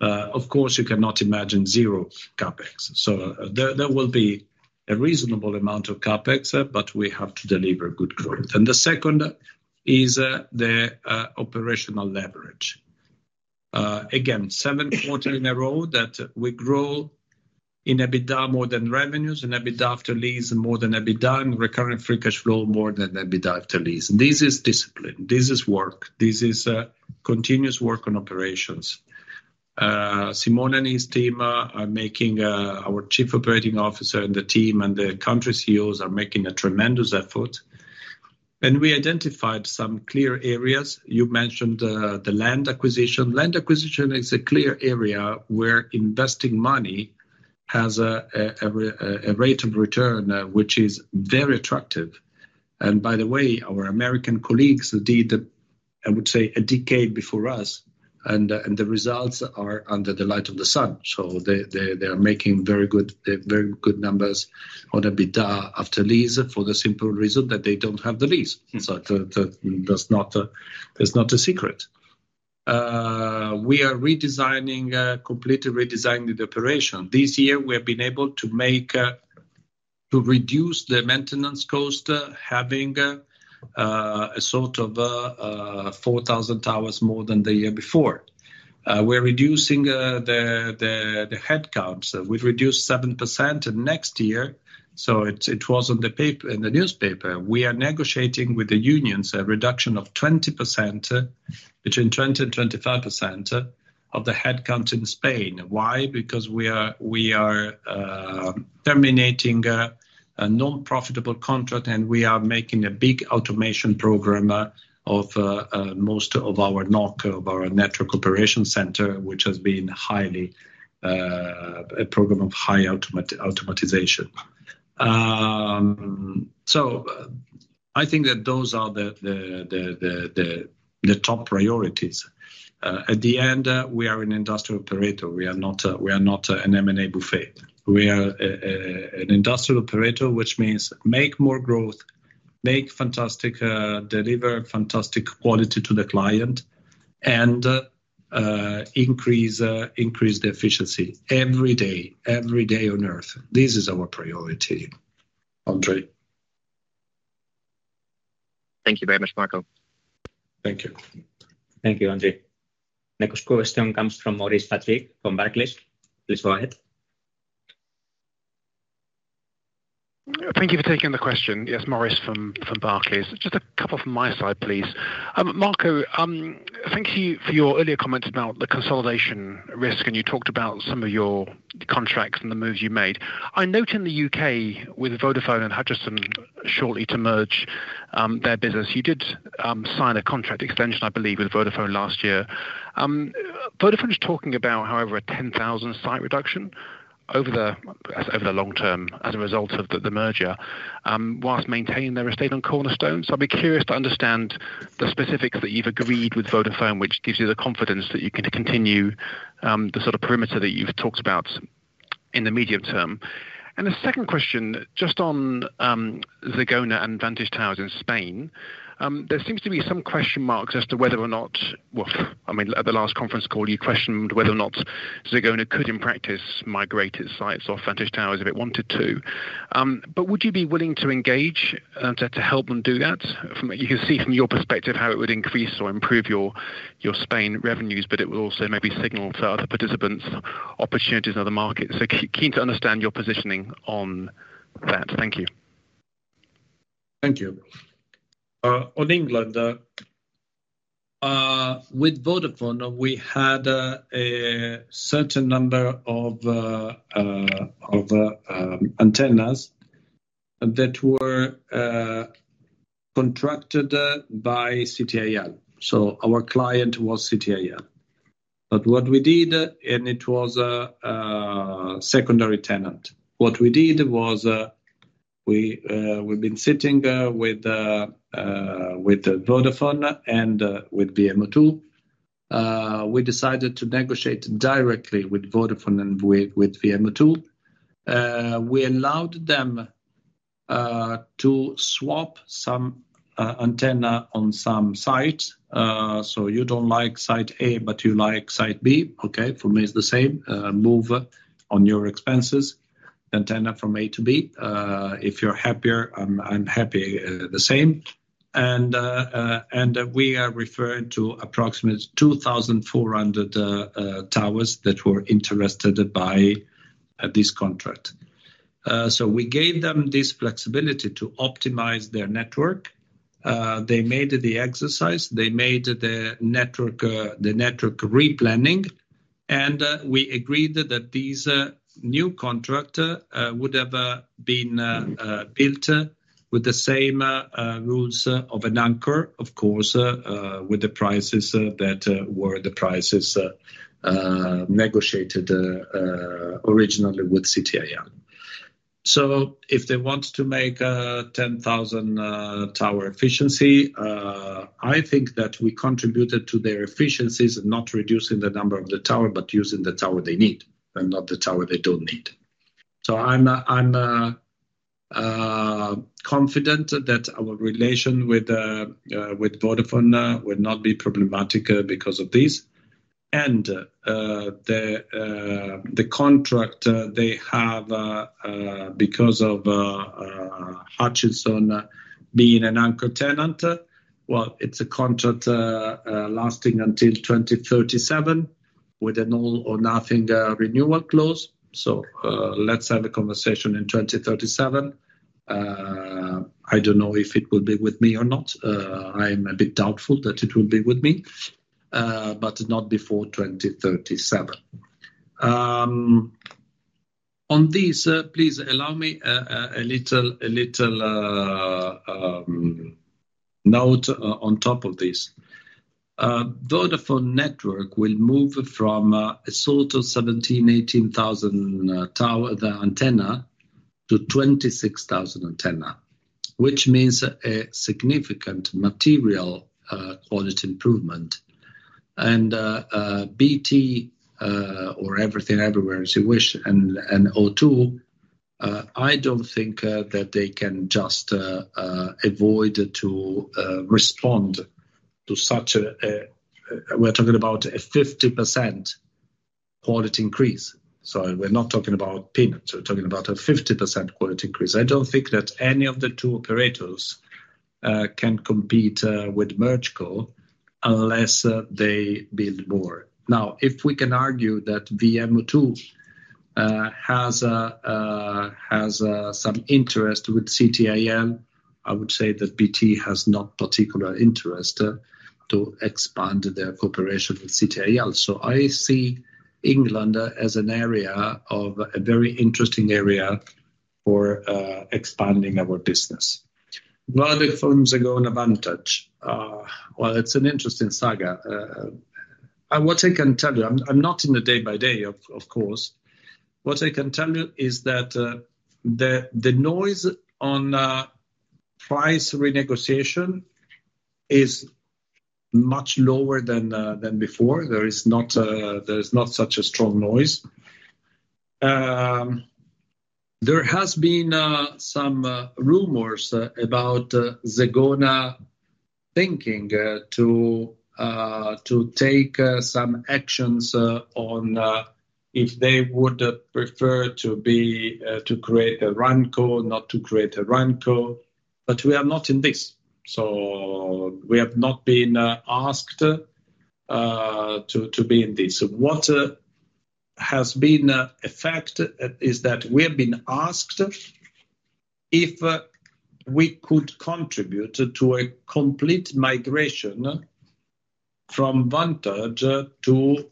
Of course, you cannot imagine zero CapEx, so there will be a reasonable amount of CapEx, but we have to deliver good growth, and the second is the operational leverage. Again, seven quarters in a row that we grow in EBITDA more than revenues, in EBITDA after lease more than EBITDA, and recurring free cash flow more than EBITDA after lease. This is discipline. This is work. This is continuous work on operations. Simone and his team are making our Chief Operating Officer and the team and the country CEOs are making a tremendous effort, and we identified some clear areas. You mentioned the land acquisition. Land acquisition is a clear area where investing money has a rate of return which is very attractive, and by the way, our American colleagues did, I would say, a decade before us, and the results are under the light of the sun. So they are making very good numbers on EBITDA after lease for the simple reason that they don't have the lease, so it's not a secret. We are redesigning, completely redesigning the operation. This year, we have been able to reduce the maintenance cost, having a sort of 4,000 hours more than the year before. We're reducing the headcounts. We've reduced 7% next year. So it was in the newspaper. We are negotiating with the unions a reduction of 20%, between 20% and 25% of the headcount in Spain. Why? Because we are terminating a non-profitable contract, and we are making a big automation program of most of our NOC, of our network operation center, which has been a program of high automation. So I think that those are the top priorities. At the end, we are an industrial operator. We are not an M&A buffet. We are an industrial operator, which means make more growth, make fantastic, deliver fantastic quality to the client, and increase the efficiency every day, every day on earth. This is our priority. Ondrej. Thank you very much, Marco. Thank you. Thank you, Ondrej. Next question comes from Maurice Patrick from Barclays. Please go ahead. Thank you for taking the question. Yes, Maurice from Barclays. Just a couple from my side, please. Marco, thank you for your earlier comments about the consolidation risk, and you talked about some of your contracts and the moves you made. I note in the U.K. with Vodafone and Hutchison shortly to merge their business. You did sign a contract extension, I believe, with Vodafone last year. Vodafone is talking about, however, a 10,000-site reduction over the long term as a result of the merger, while maintaining their estate on Cornerstone. I'd be curious to understand the specifics that you've agreed with Vodafone, which gives you the confidence that you can continue the sort of perimeter that you've talked about in the medium term. The second question, just on Zegona and Vantage Towers in Spain, there seems to be some question marks as to whether or not, well, I mean, at the last conference call, you questioned whether or not Zegona could, in practice, migrate its sites off Vantage Towers if it wanted to. Would you be willing to engage to help them do that? You can see from your perspective how it would increase or improve your Spain revenues, but it would also maybe signal to other participants opportunities in other markets. Keen to understand your positioning on that. Thank you. Thank you. On England, with Vodafone, we had a certain number of antennas that were contracted by CTIL. So our client was CTIL. But what we did, and it was a secondary tenant, what we did was we've been sitting with Vodafone and with VMO2. We decided to negotiate directly with Vodafone and with VMO2. We allowed them to swap some antenna on some sites. So you don't like site A, but you like site B. Okay? For me, it's the same. Move on your expenses. Antenna from A to B. If you're happier, I'm happy the same. And we are referring to approximately 2,400 towers that were interested by this contract. So we gave them this flexibility to optimize their network. They made the exercise. They made the network replanning. We agreed that this new contract would have been built with the same rules of an anchor, of course, with the prices that were the prices negotiated originally with CTIL. If they want to make 10,000 tower efficiency, I think that we contributed to their efficiencies, not reducing the number of the tower, but using the tower they need and not the tower they don't need. I'm confident that our relation with Vodafone will not be problematic because of this. The contract they have because of Hutchison being an anchor tenant, well, it's a contract lasting until 2037 with an all-or-nothing renewal clause. Let's have a conversation in 2037. I don't know if it will be with me or not. I'm a bit doubtful that it will be with me, but not before 2037. On this, please allow me a little note on top of this. Vodafone Network will move from a sort of 17-18,000 tower antennas to 26,000 antennas, which means a significant material quality improvement. BT, or Everything Everywhere as you wish, and O2, I don't think that they can just avoid to respond to such a [move]. We're talking about a 50% quality increase. So we're not talking about peanuts. We're talking about a 50% quality increase. I don't think that any of the two operators can compete with MergeCo unless they build more. Now, if we can argue that VMO2 has some interest with CTIL, I would say that BT has not particular interest to expand their cooperation with CTIL. I see England as a very interesting area for expanding our business. Where do firms gain advantage? Well, it's an interesting saga. What I can tell you, I'm not in the day-by-day, of course. What I can tell you is that the noise on price renegotiation is much lower than before. There is not such a strong noise. There has been some rumors about Zegona thinking to take some actions on if they would prefer to create a RANCO, not to create a RANCO. But we are not in this. So we have not been asked to be in this. What has been effect is that we have been asked if we could contribute to a complete migration from Vantage to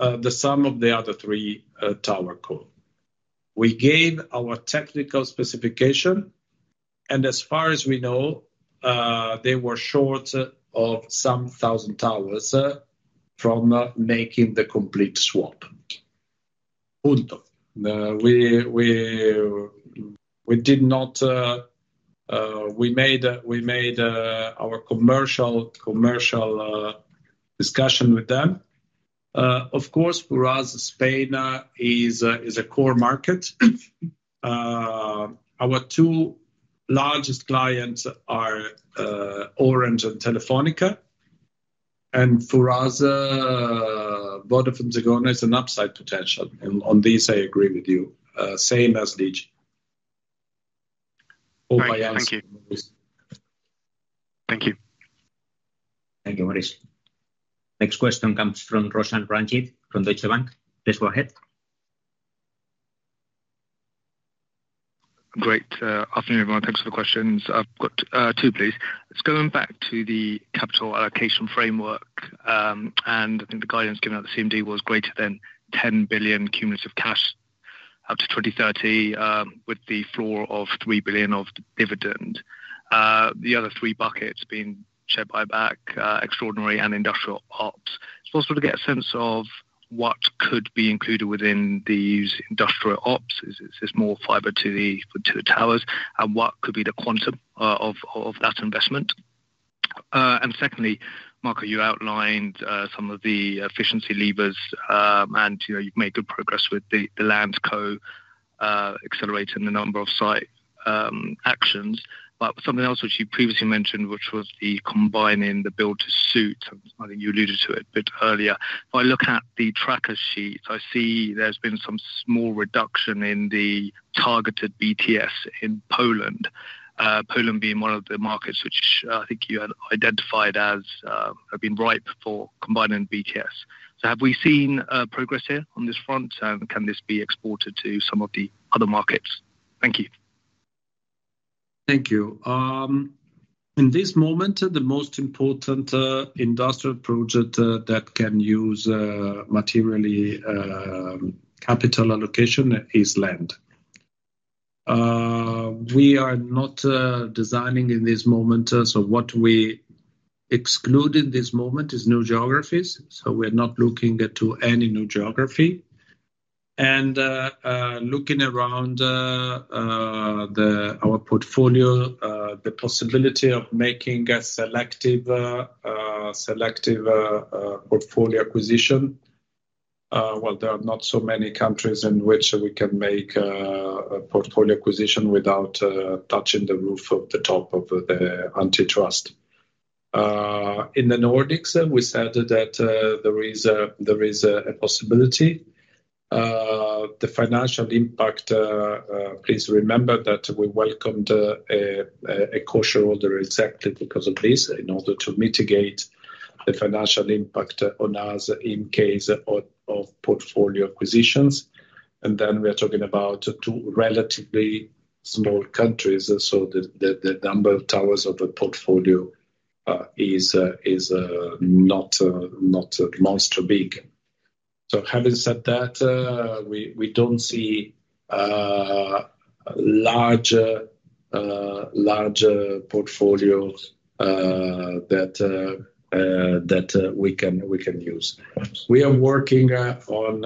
the sum of the other three towercos. We gave our technical specification, and as far as we know, they were short of some thousand towers from making the complete swap. Punto. We did not. We made our commercial discussion with them. Of course, for us, Spain is a core market. Our two largest clients are Orange and Telefónica. And for us, Vodafone Zegona is an upside potential. On this, I agree with you. Same as Luigi. All by answer. Thank you. Thank you. Thank you, Maurice. Next question comes from Roshan Ranjit from Deutsche Bank. Please go ahead. Good afternoon, everyone. Thanks for the questions. I've got two, please. It's going back to the capital allocation framework. And I think the guidance given at the CMD was greater than 10 billion cumulative cash up to 2030 with the floor of 3 billion of dividend. The other three buckets being buybacks, extraordinary, and industrial ops. It's also to get a sense of what could be included within these industrial ops. Is this more fiber to the towers? And what could be the quantum of that investment? And secondly, Marco, you outlined some of the efficiency levers, and you've made good progress with the LandCo accelerating the number of site actions. But something else which you previously mentioned, which was the combining the build-to-suit, I think you alluded to it a bit earlier. If I look at the tracker sheet, I see there's been some small reduction in the targeted BTS in Poland, Poland being one of the markets which I think you had identified as have been ripe for combining BTS. So have we seen progress here on this front? And can this be exported to some of the other markets? Thank you. Thank you. In this moment, the most important industrial project that can use materially capital allocation is land. We are not designing in this moment. So what we exclude in this moment is new geographies. We're not looking into any new geography. Looking around our portfolio, the possibility of making a selective portfolio acquisition. Well, there are not so many countries in which we can make a portfolio acquisition without touching the roof of the top of the antitrust. In the Nordics, we said that there is a possibility. The financial impact, please remember that we welcomed a caution order exactly because of this in order to mitigate the financial impact on us in case of portfolio acquisitions. We are talking about two relatively small countries. The number of towers of the portfolio is not monster big. Having said that, we don't see larger portfolios that we can use. We are working on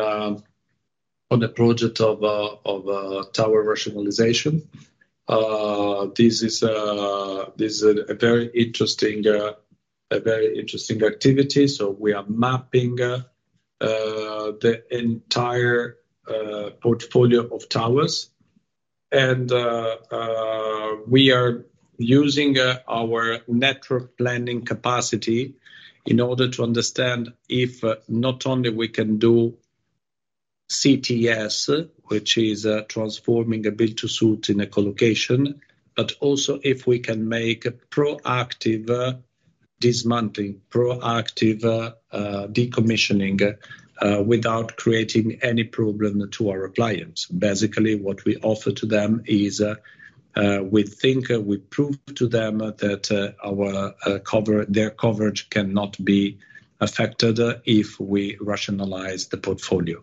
a project of tower rationalization. This is a very interesting activity. We are mapping the entire portfolio of towers. We are using our network planning capacity in order to understand if not only we can do CTS, which is transforming a build-to-suit into a colocation, but also if we can make proactive dismantling, proactive decommissioning without creating any problem to our clients. Basically, what we offer to them is we think we prove to them that their coverage cannot be affected if we rationalize the portfolio.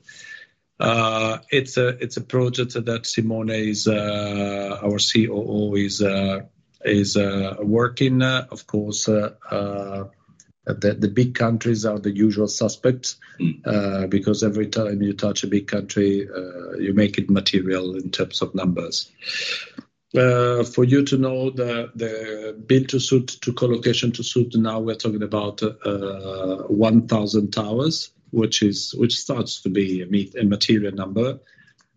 It's a project that Simone, our COO, is working. Of course, the big countries are the usual suspects because every time you touch a big country, you make it material in terms of numbers. For you to know, the build-to-suit to colocation-to-suit, now we're talking about 1,000 towers, which starts to be a material number.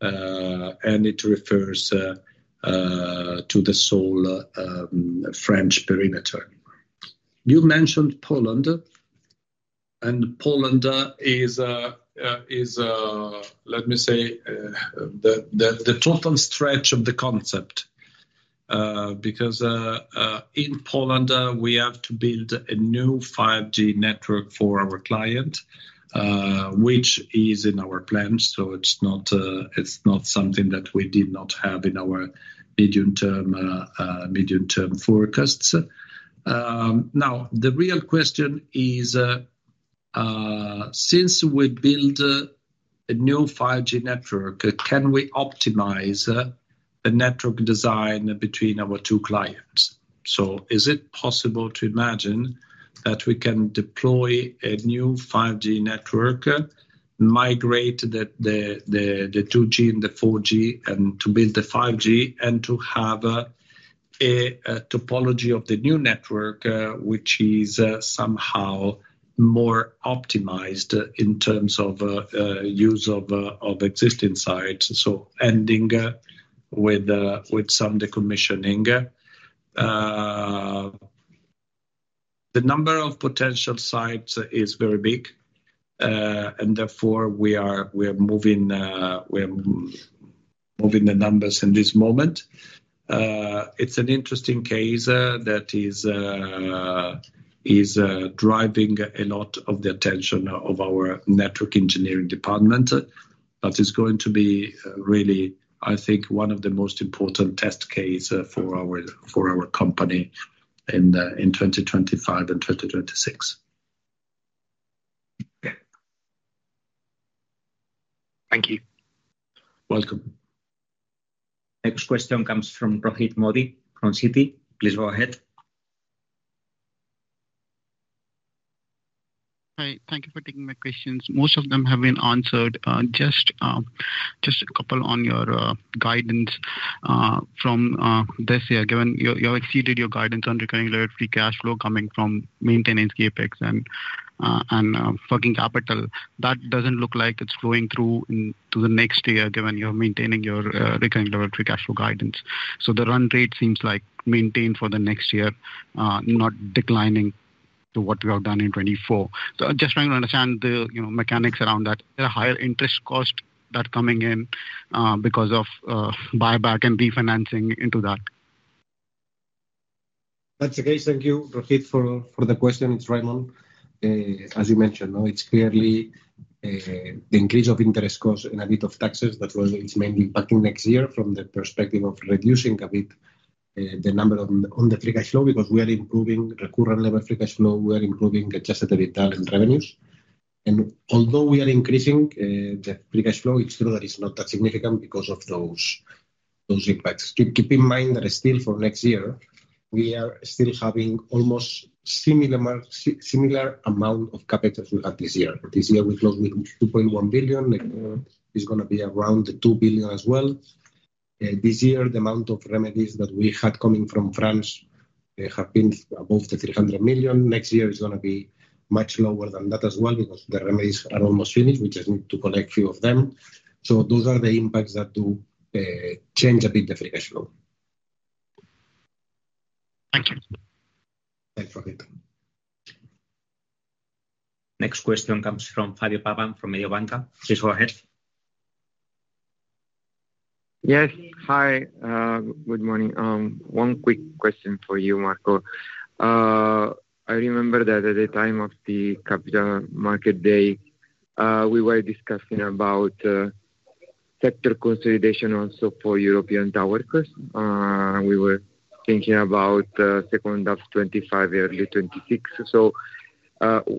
It refers to the sole French perimeter. You mentioned Poland. And Poland is, let me say, the total stretch of the concept because in Poland, we have to build a new 5G network for our client, which is in our plans. So it's not something that we did not have in our medium-term forecasts. Now, the real question is, since we build a new 5G network, can we optimize the network design between our two clients? So is it possible to imagine that we can deploy a new 5G network, migrate the 2G and the 4G, and to build the 5G and to have a topology of the new network, which is somehow more optimized in terms of use of existing sites, so ending with some decommissioning? The number of potential sites is very big. And therefore, we are moving the numbers in this moment. It's an interesting case that is driving a lot of the attention of our network engineering department. But it's going to be really, I think, one of the most important test cases for our company in 2025 and 2026. Thank you. Welcome. Next question comes from Rohit Modi from Citi. Please go ahead. Hi. Thank you for taking my questions. Most of them have been answered. Just a couple on your guidance from this year, given you have exceeded your guidance on recurring leveraged free cash flow coming from maintenance CapEx and funding capital. That doesn't look like it's flowing through into the next year, given you're maintaining your recurring leveraged free cash flow guidance. So the run rate seems like maintained for the next year, not declining to what we have done in 2024. So I'm just trying to understand the mechanics around that. Is there a higher interest cost that's coming in because of buyback and refinancing into that? That's the case. Thank you, Rohit, for the question. It's Raimon. As you mentioned, it's clearly the increase of interest costs and a bit of taxes that it's mainly impacting next year from the perspective of reducing a bit the number on the free cash flow because we are improving recurrent level free cash flow. We are improving adjusted return and revenues. And although we are increasing the free cash flow, it's true that it's not that significant because of those impacts. Keep in mind that still for next year, we are still having almost similar amount of capital we had this year. This year, we closed with 2.1 billion. Next year, it's going to be around 2 billion as well. This year, the amount of remedies that we had coming from France have been above 300 million. Next year, it's going to be much lower than that as well because the remedies are almost finished. We just need to collect a few of them. So those are the impacts that do change a bit the free cash flow. Thank you. Thanks, Rohit. Next question comes from Fabio Pavan from Mediobanca. Please go ahead. Yes. Hi. Good morning. One quick question for you, Marco. I remember that at the time of the capital market day, we were discussing about sector consolidation also for European towers. We were thinking about second half 2025, early 2026. So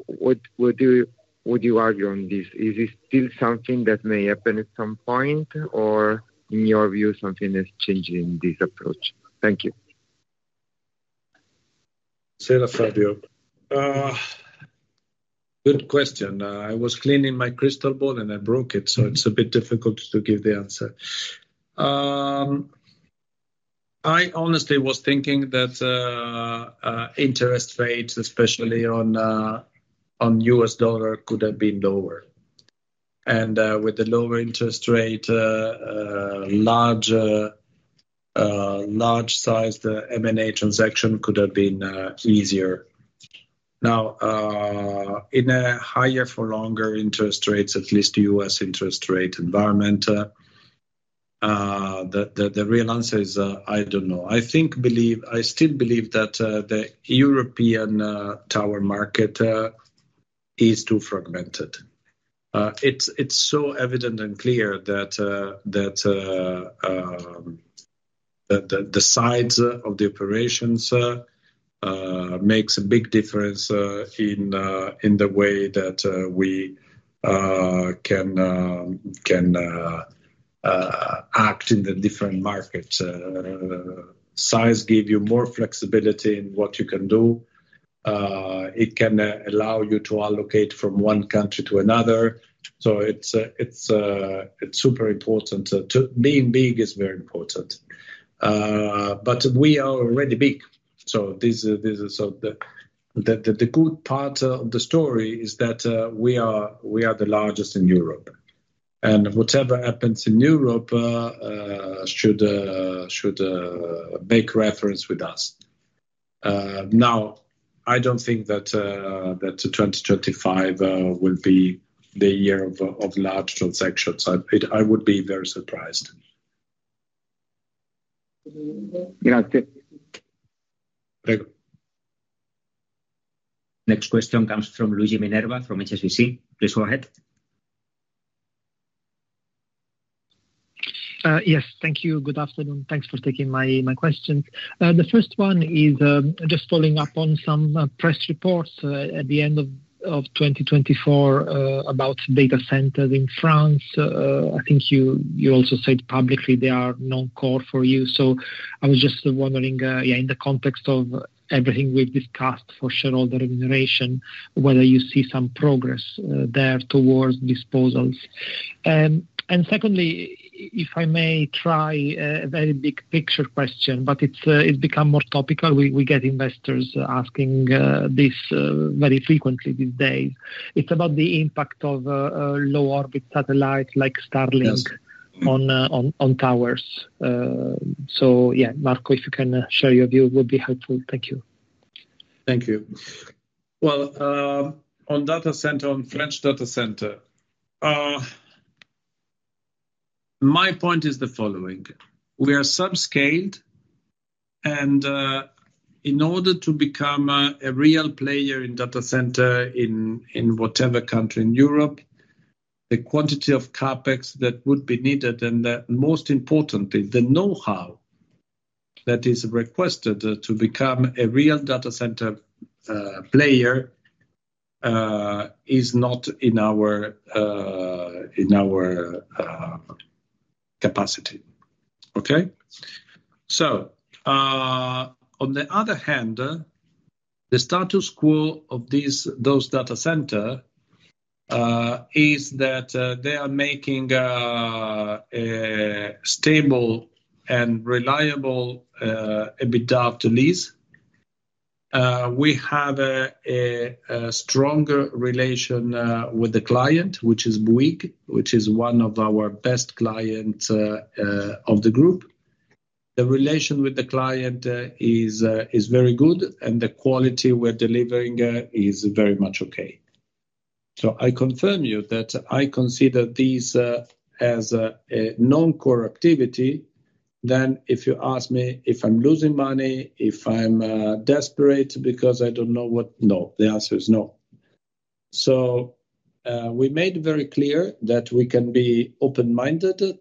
what do you argue on this? Is this still something that may happen at some point, or in your view, something that's changing this approach? Thank you. Say it up, Fabio. Good question. I was cleaning my crystal ball, and I broke it. So it's a bit difficult to give the answer. I honestly was thinking that interest rates, especially on U.S. dollar, could have been lower. And with the lower interest rate, large-sized M&A transaction could have been easier. Now, in a higher-for-longer interest rate, at least U.S. interest rate environment, the real answer is I don't know. I still believe that the European tower market is too fragmented. It's so evident and clear that the size of the operations makes a big difference in the way that we can act in the different markets. Size gives you more flexibility in what you can do. It can allow you to allocate from one country to another. So it's super important. Being big is very important. But we are already big. So the good part of the story is that we are the largest in Europe. And whatever happens in Europe should make reference with us. Now, I don't think that 2025 will be the year of large transactions. I would be very surprised. Next question comes from Luigi Minerva from HSBC. Please go ahead. Yes. Thank you. Good afternoon. Thanks for taking my questions. The first one is just following up on some press reports at the end of 2024 about data centers in France. I think you also said publicly they are non-core for you. So I was just wondering, yeah, in the context of everything we've discussed for shareholder remuneration, whether you see some progress there towards disposals. And secondly, if I may try a very big picture question, but it's become more topical. We get investors asking this very frequently these days. It's about the impact of low-orbit satellites like Starlink on towers. So yeah, Marco, if you can share your view, it would be helpful. Thank you. Thank you. Well, on data center, on French data center, my point is the following. We are subscaled, and in order to become a real player in data center in whatever country in Europe, the quantity of CapEx that would be needed, and most importantly, the know-how that is requested to become a real data center player is not in our capacity. Okay? So on the other hand, the status quo of those data centers is that they are making stable and reliable EBITDA. We have a stronger relation with the client, which is Bouygues, which is one of our best clients of the group. The relation with the client is very good, and the quality we're delivering is very much okay. I confirm you that I consider these as a non-core activity than if you ask me if I'm losing money, if I'm desperate because I don't know what. No, the answer is no. We made very clear that we can be open-minded vis-à-vis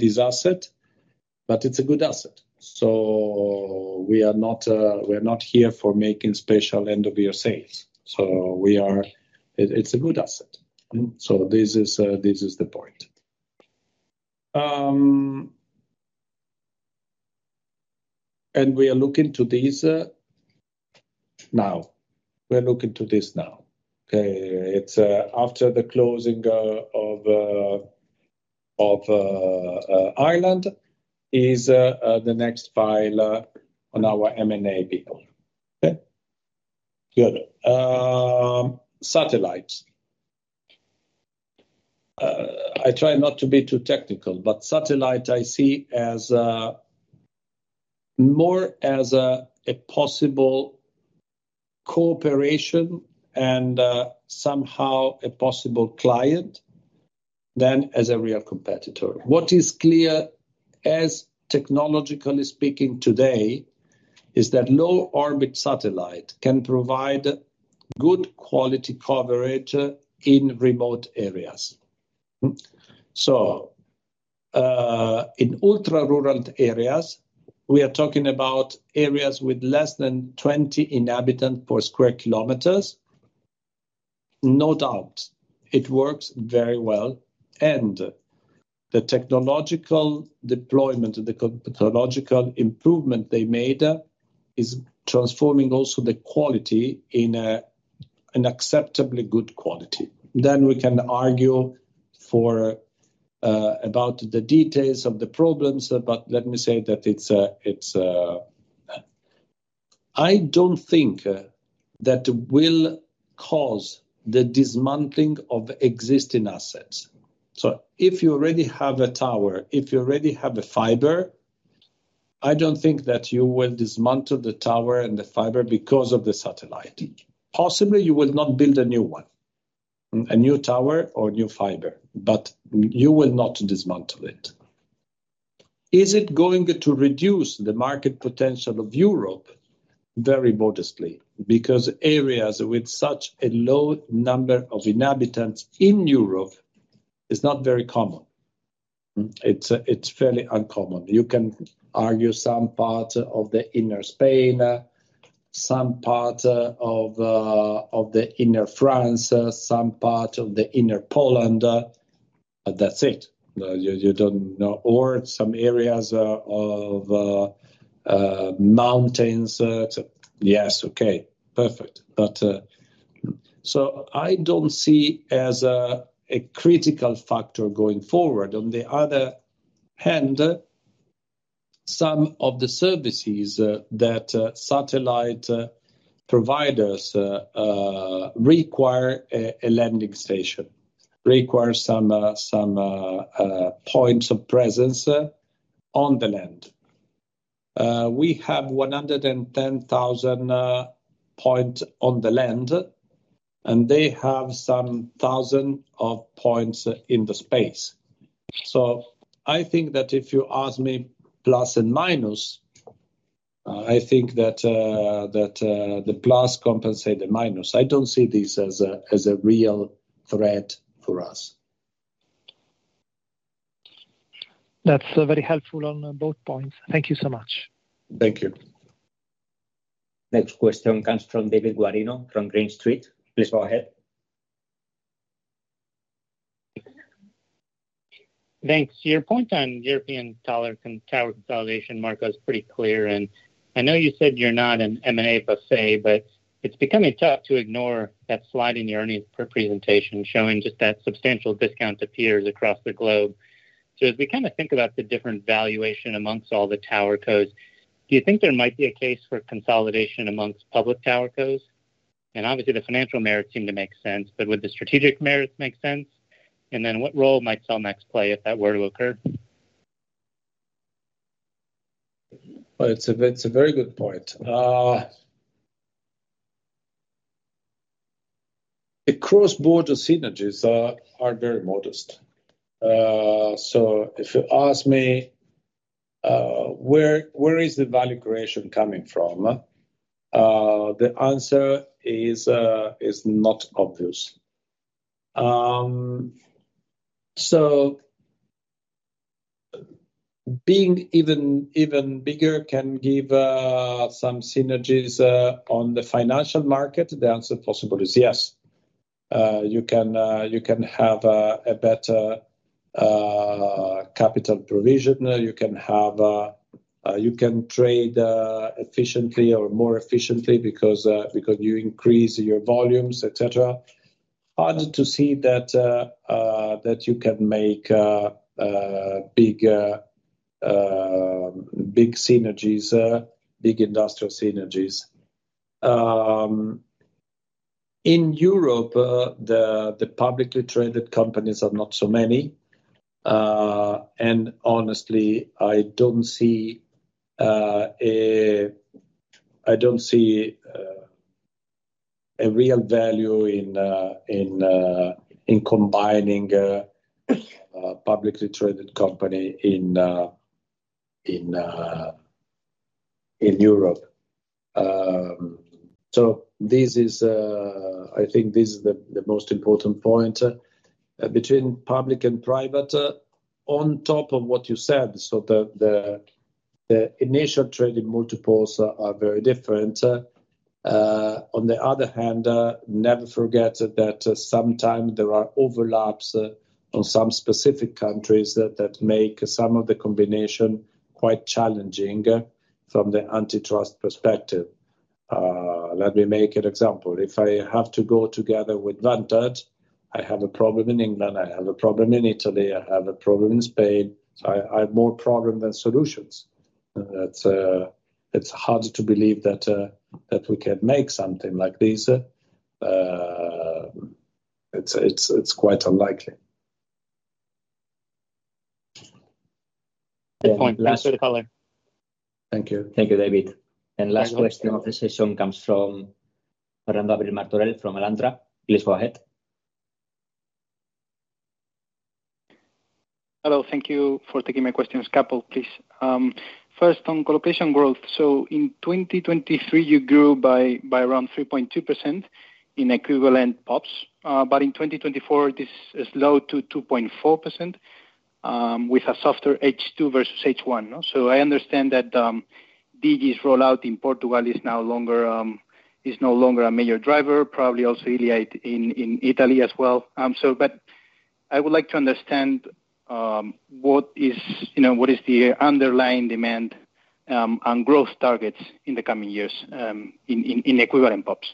this asset, but it's a good asset. We are not here for making special end-of-year sales. It's a good asset. This is the point. We are looking to these now. We're looking to this now. After the closing of Ireland is the next file on our M&A bill. Okay? Good. Satellites. I try not to be too technical, but satellite I see more as a possible cooperation and somehow a possible client than as a real competitor. What is clear, as technologically speaking today, is that low-orbit satellite can provide good quality coverage in remote areas. In ultra-rural areas, we are talking about areas with less than 20 inhabitants per sq km. No doubt, it works very well. And the technological deployment, the technological improvement they made is transforming also the quality in an acceptably good quality. Then we can argue about the details of the problems, but let me say that it's a. I don't think that will cause the dismantling of existing assets. So if you already have a tower, if you already have a fiber, I don't think that you will dismantle the tower and the fiber because of the satellite. Possibly, you will not build a new one, a new tower or a new fiber, but you will not dismantle it. Is it going to reduce the market potential of Europe very modestly? Because areas with such a low number of inhabitants in Europe is not very common. It's fairly uncommon. You can argue some part of the inner Spain, some part of the inner France, some part of the inner Poland, but that's it. You don't know. Or some areas of mountains. Yes, okay. Perfect. So I don't see as a critical factor going forward. On the other hand, some of the services that satellite providers require a landing station, require some points of presence on the land. We have 110,000 points on the land, and they have some thousand of points in the space. So I think that if you ask me + and -, I think that the + compensate the -. I don't see this as a real threat for us. That's very helpful on both points. Thank you so much. Thank you. Next question comes from David Guarino from Green Street. Please go ahead. Thanks. Your point on European tower consolidation, Marco, is pretty clear. I know you said you're not an M&A buffet, but it's becoming tough to ignore that slide in your earnings presentation showing just that substantial discount appears across the globe. As we kind of think about the different valuation amongst all the towercos, do you think there might be a case for consolidation amongst public towercos? Obviously, the financial merits seem to make sense, but would the strategic merits make sense? Then what role might Cellnex play if that were to occur? It's a very good point. The cross-border synergies are very modest. If you ask me where is the value creation coming from, the answer is not obvious. Being even bigger can give some synergies on the financial market. The answer possible is yes. You can have a better capital provision. You can trade efficiently or more efficiently because you increase your volumes, etc. Hard to see that you can make big synergies, big industrial synergies. In Europe, the publicly traded companies are not so many. And honestly, I don't see a real value in combining a publicly traded company in Europe. So I think this is the most important point between public and private. On top of what you said, so the initial trading multiples are very different. On the other hand, never forget that sometimes there are overlaps on some specific countries that make some of the combination quite challenging from the antitrust perspective. Let me make an example. If I have to go together with Vantage Towers, I have a problem in England. I have a problem in Italy. I have a problem in Spain. I have more problems than solutions. It's hard to believe that we can make something like this. It's quite unlikely. Good point. Last question, Following. Thank you. Thank you, David. And last question of the session comes from Fernando Abril-Martorell from Alantra. Please go ahead. Hello. Thank you for taking my questions. Couple, please. First, on colocation growth. So in 2023, you grew by around 3.2% in equivalent POPs. But in 2024, this is down to 2.4% with a softer H2 versus H1. So I understand that Digi's rollout in Portugal is no longer a major driver, probably also Iliad in Italy as well. But I would like to understand what is the underlying demand and growth targets in the coming years in equivalent POPs.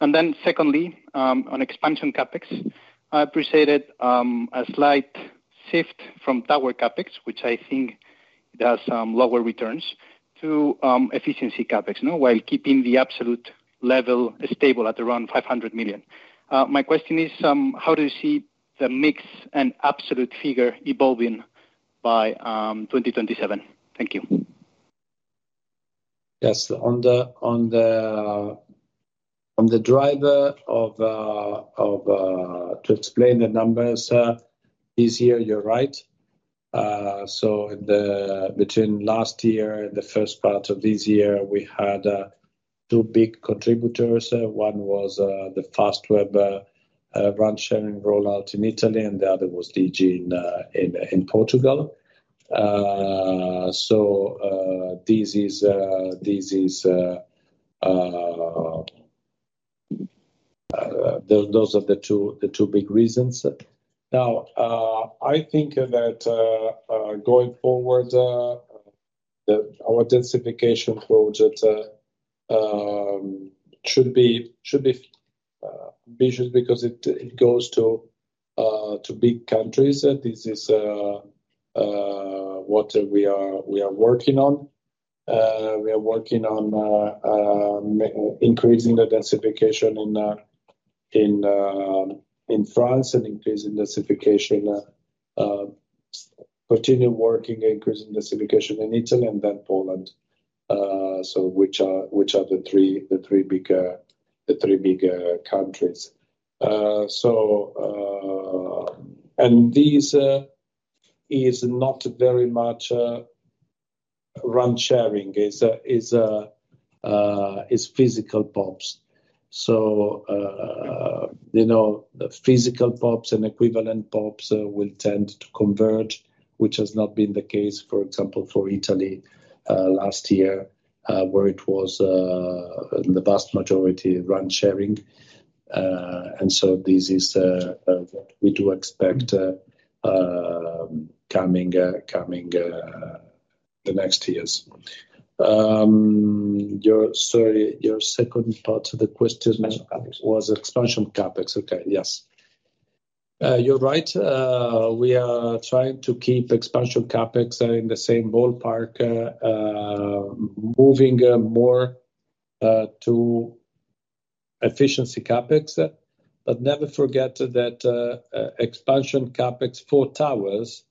Then, secondly, on expansion CapEx, I appreciated a slight shift from tower CapEx, which I think does lower returns, to efficiency CapEx while keeping the absolute level stable at around 500 million. My question is, how do you see the mix and absolute figure evolving by 2027? Thank you. Yes. On the drivers to explain the numbers this year, you're right. So between last year and the first part of this year, we had two big contributors. One was the Fastweb branding rollout in Italy, and the other was Digi in Portugal. So these are the two big reasons. Now, I think that going forward, our densification project should be ambitious because it goes to big countries. This is what we are working on. We are working on increasing the densification in France and increasing densification, continuing working, increasing densification in Italy, and then Poland, which are the three big countries. And this is not very much RAN sharing. It's physical POPs. So physical POPs and equivalent POPs will tend to converge, which has not been the case, for example, for Italy last year, where it was in the vast majority RAN sharing. And so this is what we do expect coming the next years. Sorry, your second part of the question was expansion CapEx. Okay. Yes. You're right. We are trying to keep expansion CapEx in the same ballpark, moving more to efficiency CapEx. But never forget that expansion CapEx for towers,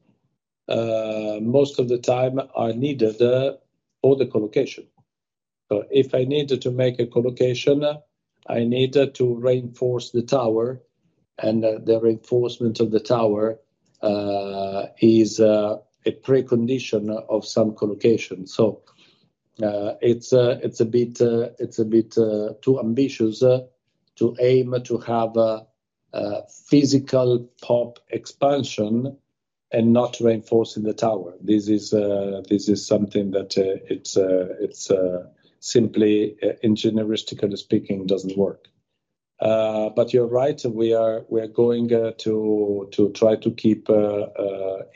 most of the time, are needed for the colocation. So if I needed to make a colocation, I need to reinforce the tower. And the reinforcement of the tower is a precondition of some colocation. So it's a bit too ambitious to aim to have a physical PoP expansion and not reinforcing the tower. This is something that simply, generally speaking, doesn't work. But you're right. We are going to try to keep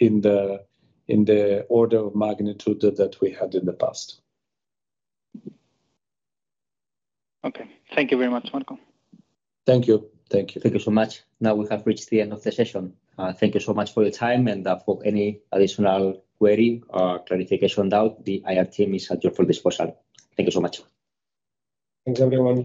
in the order of magnitude that we had in the past. Okay. Thank you very much, Marco. Thank you. Thank you. Thank you so much. Now we have reached the end of the session. Thank you so much for your time. And for any additional query or clarification doubt, the IR team is at your full disposal. Thank you so much. Thanks, everyone.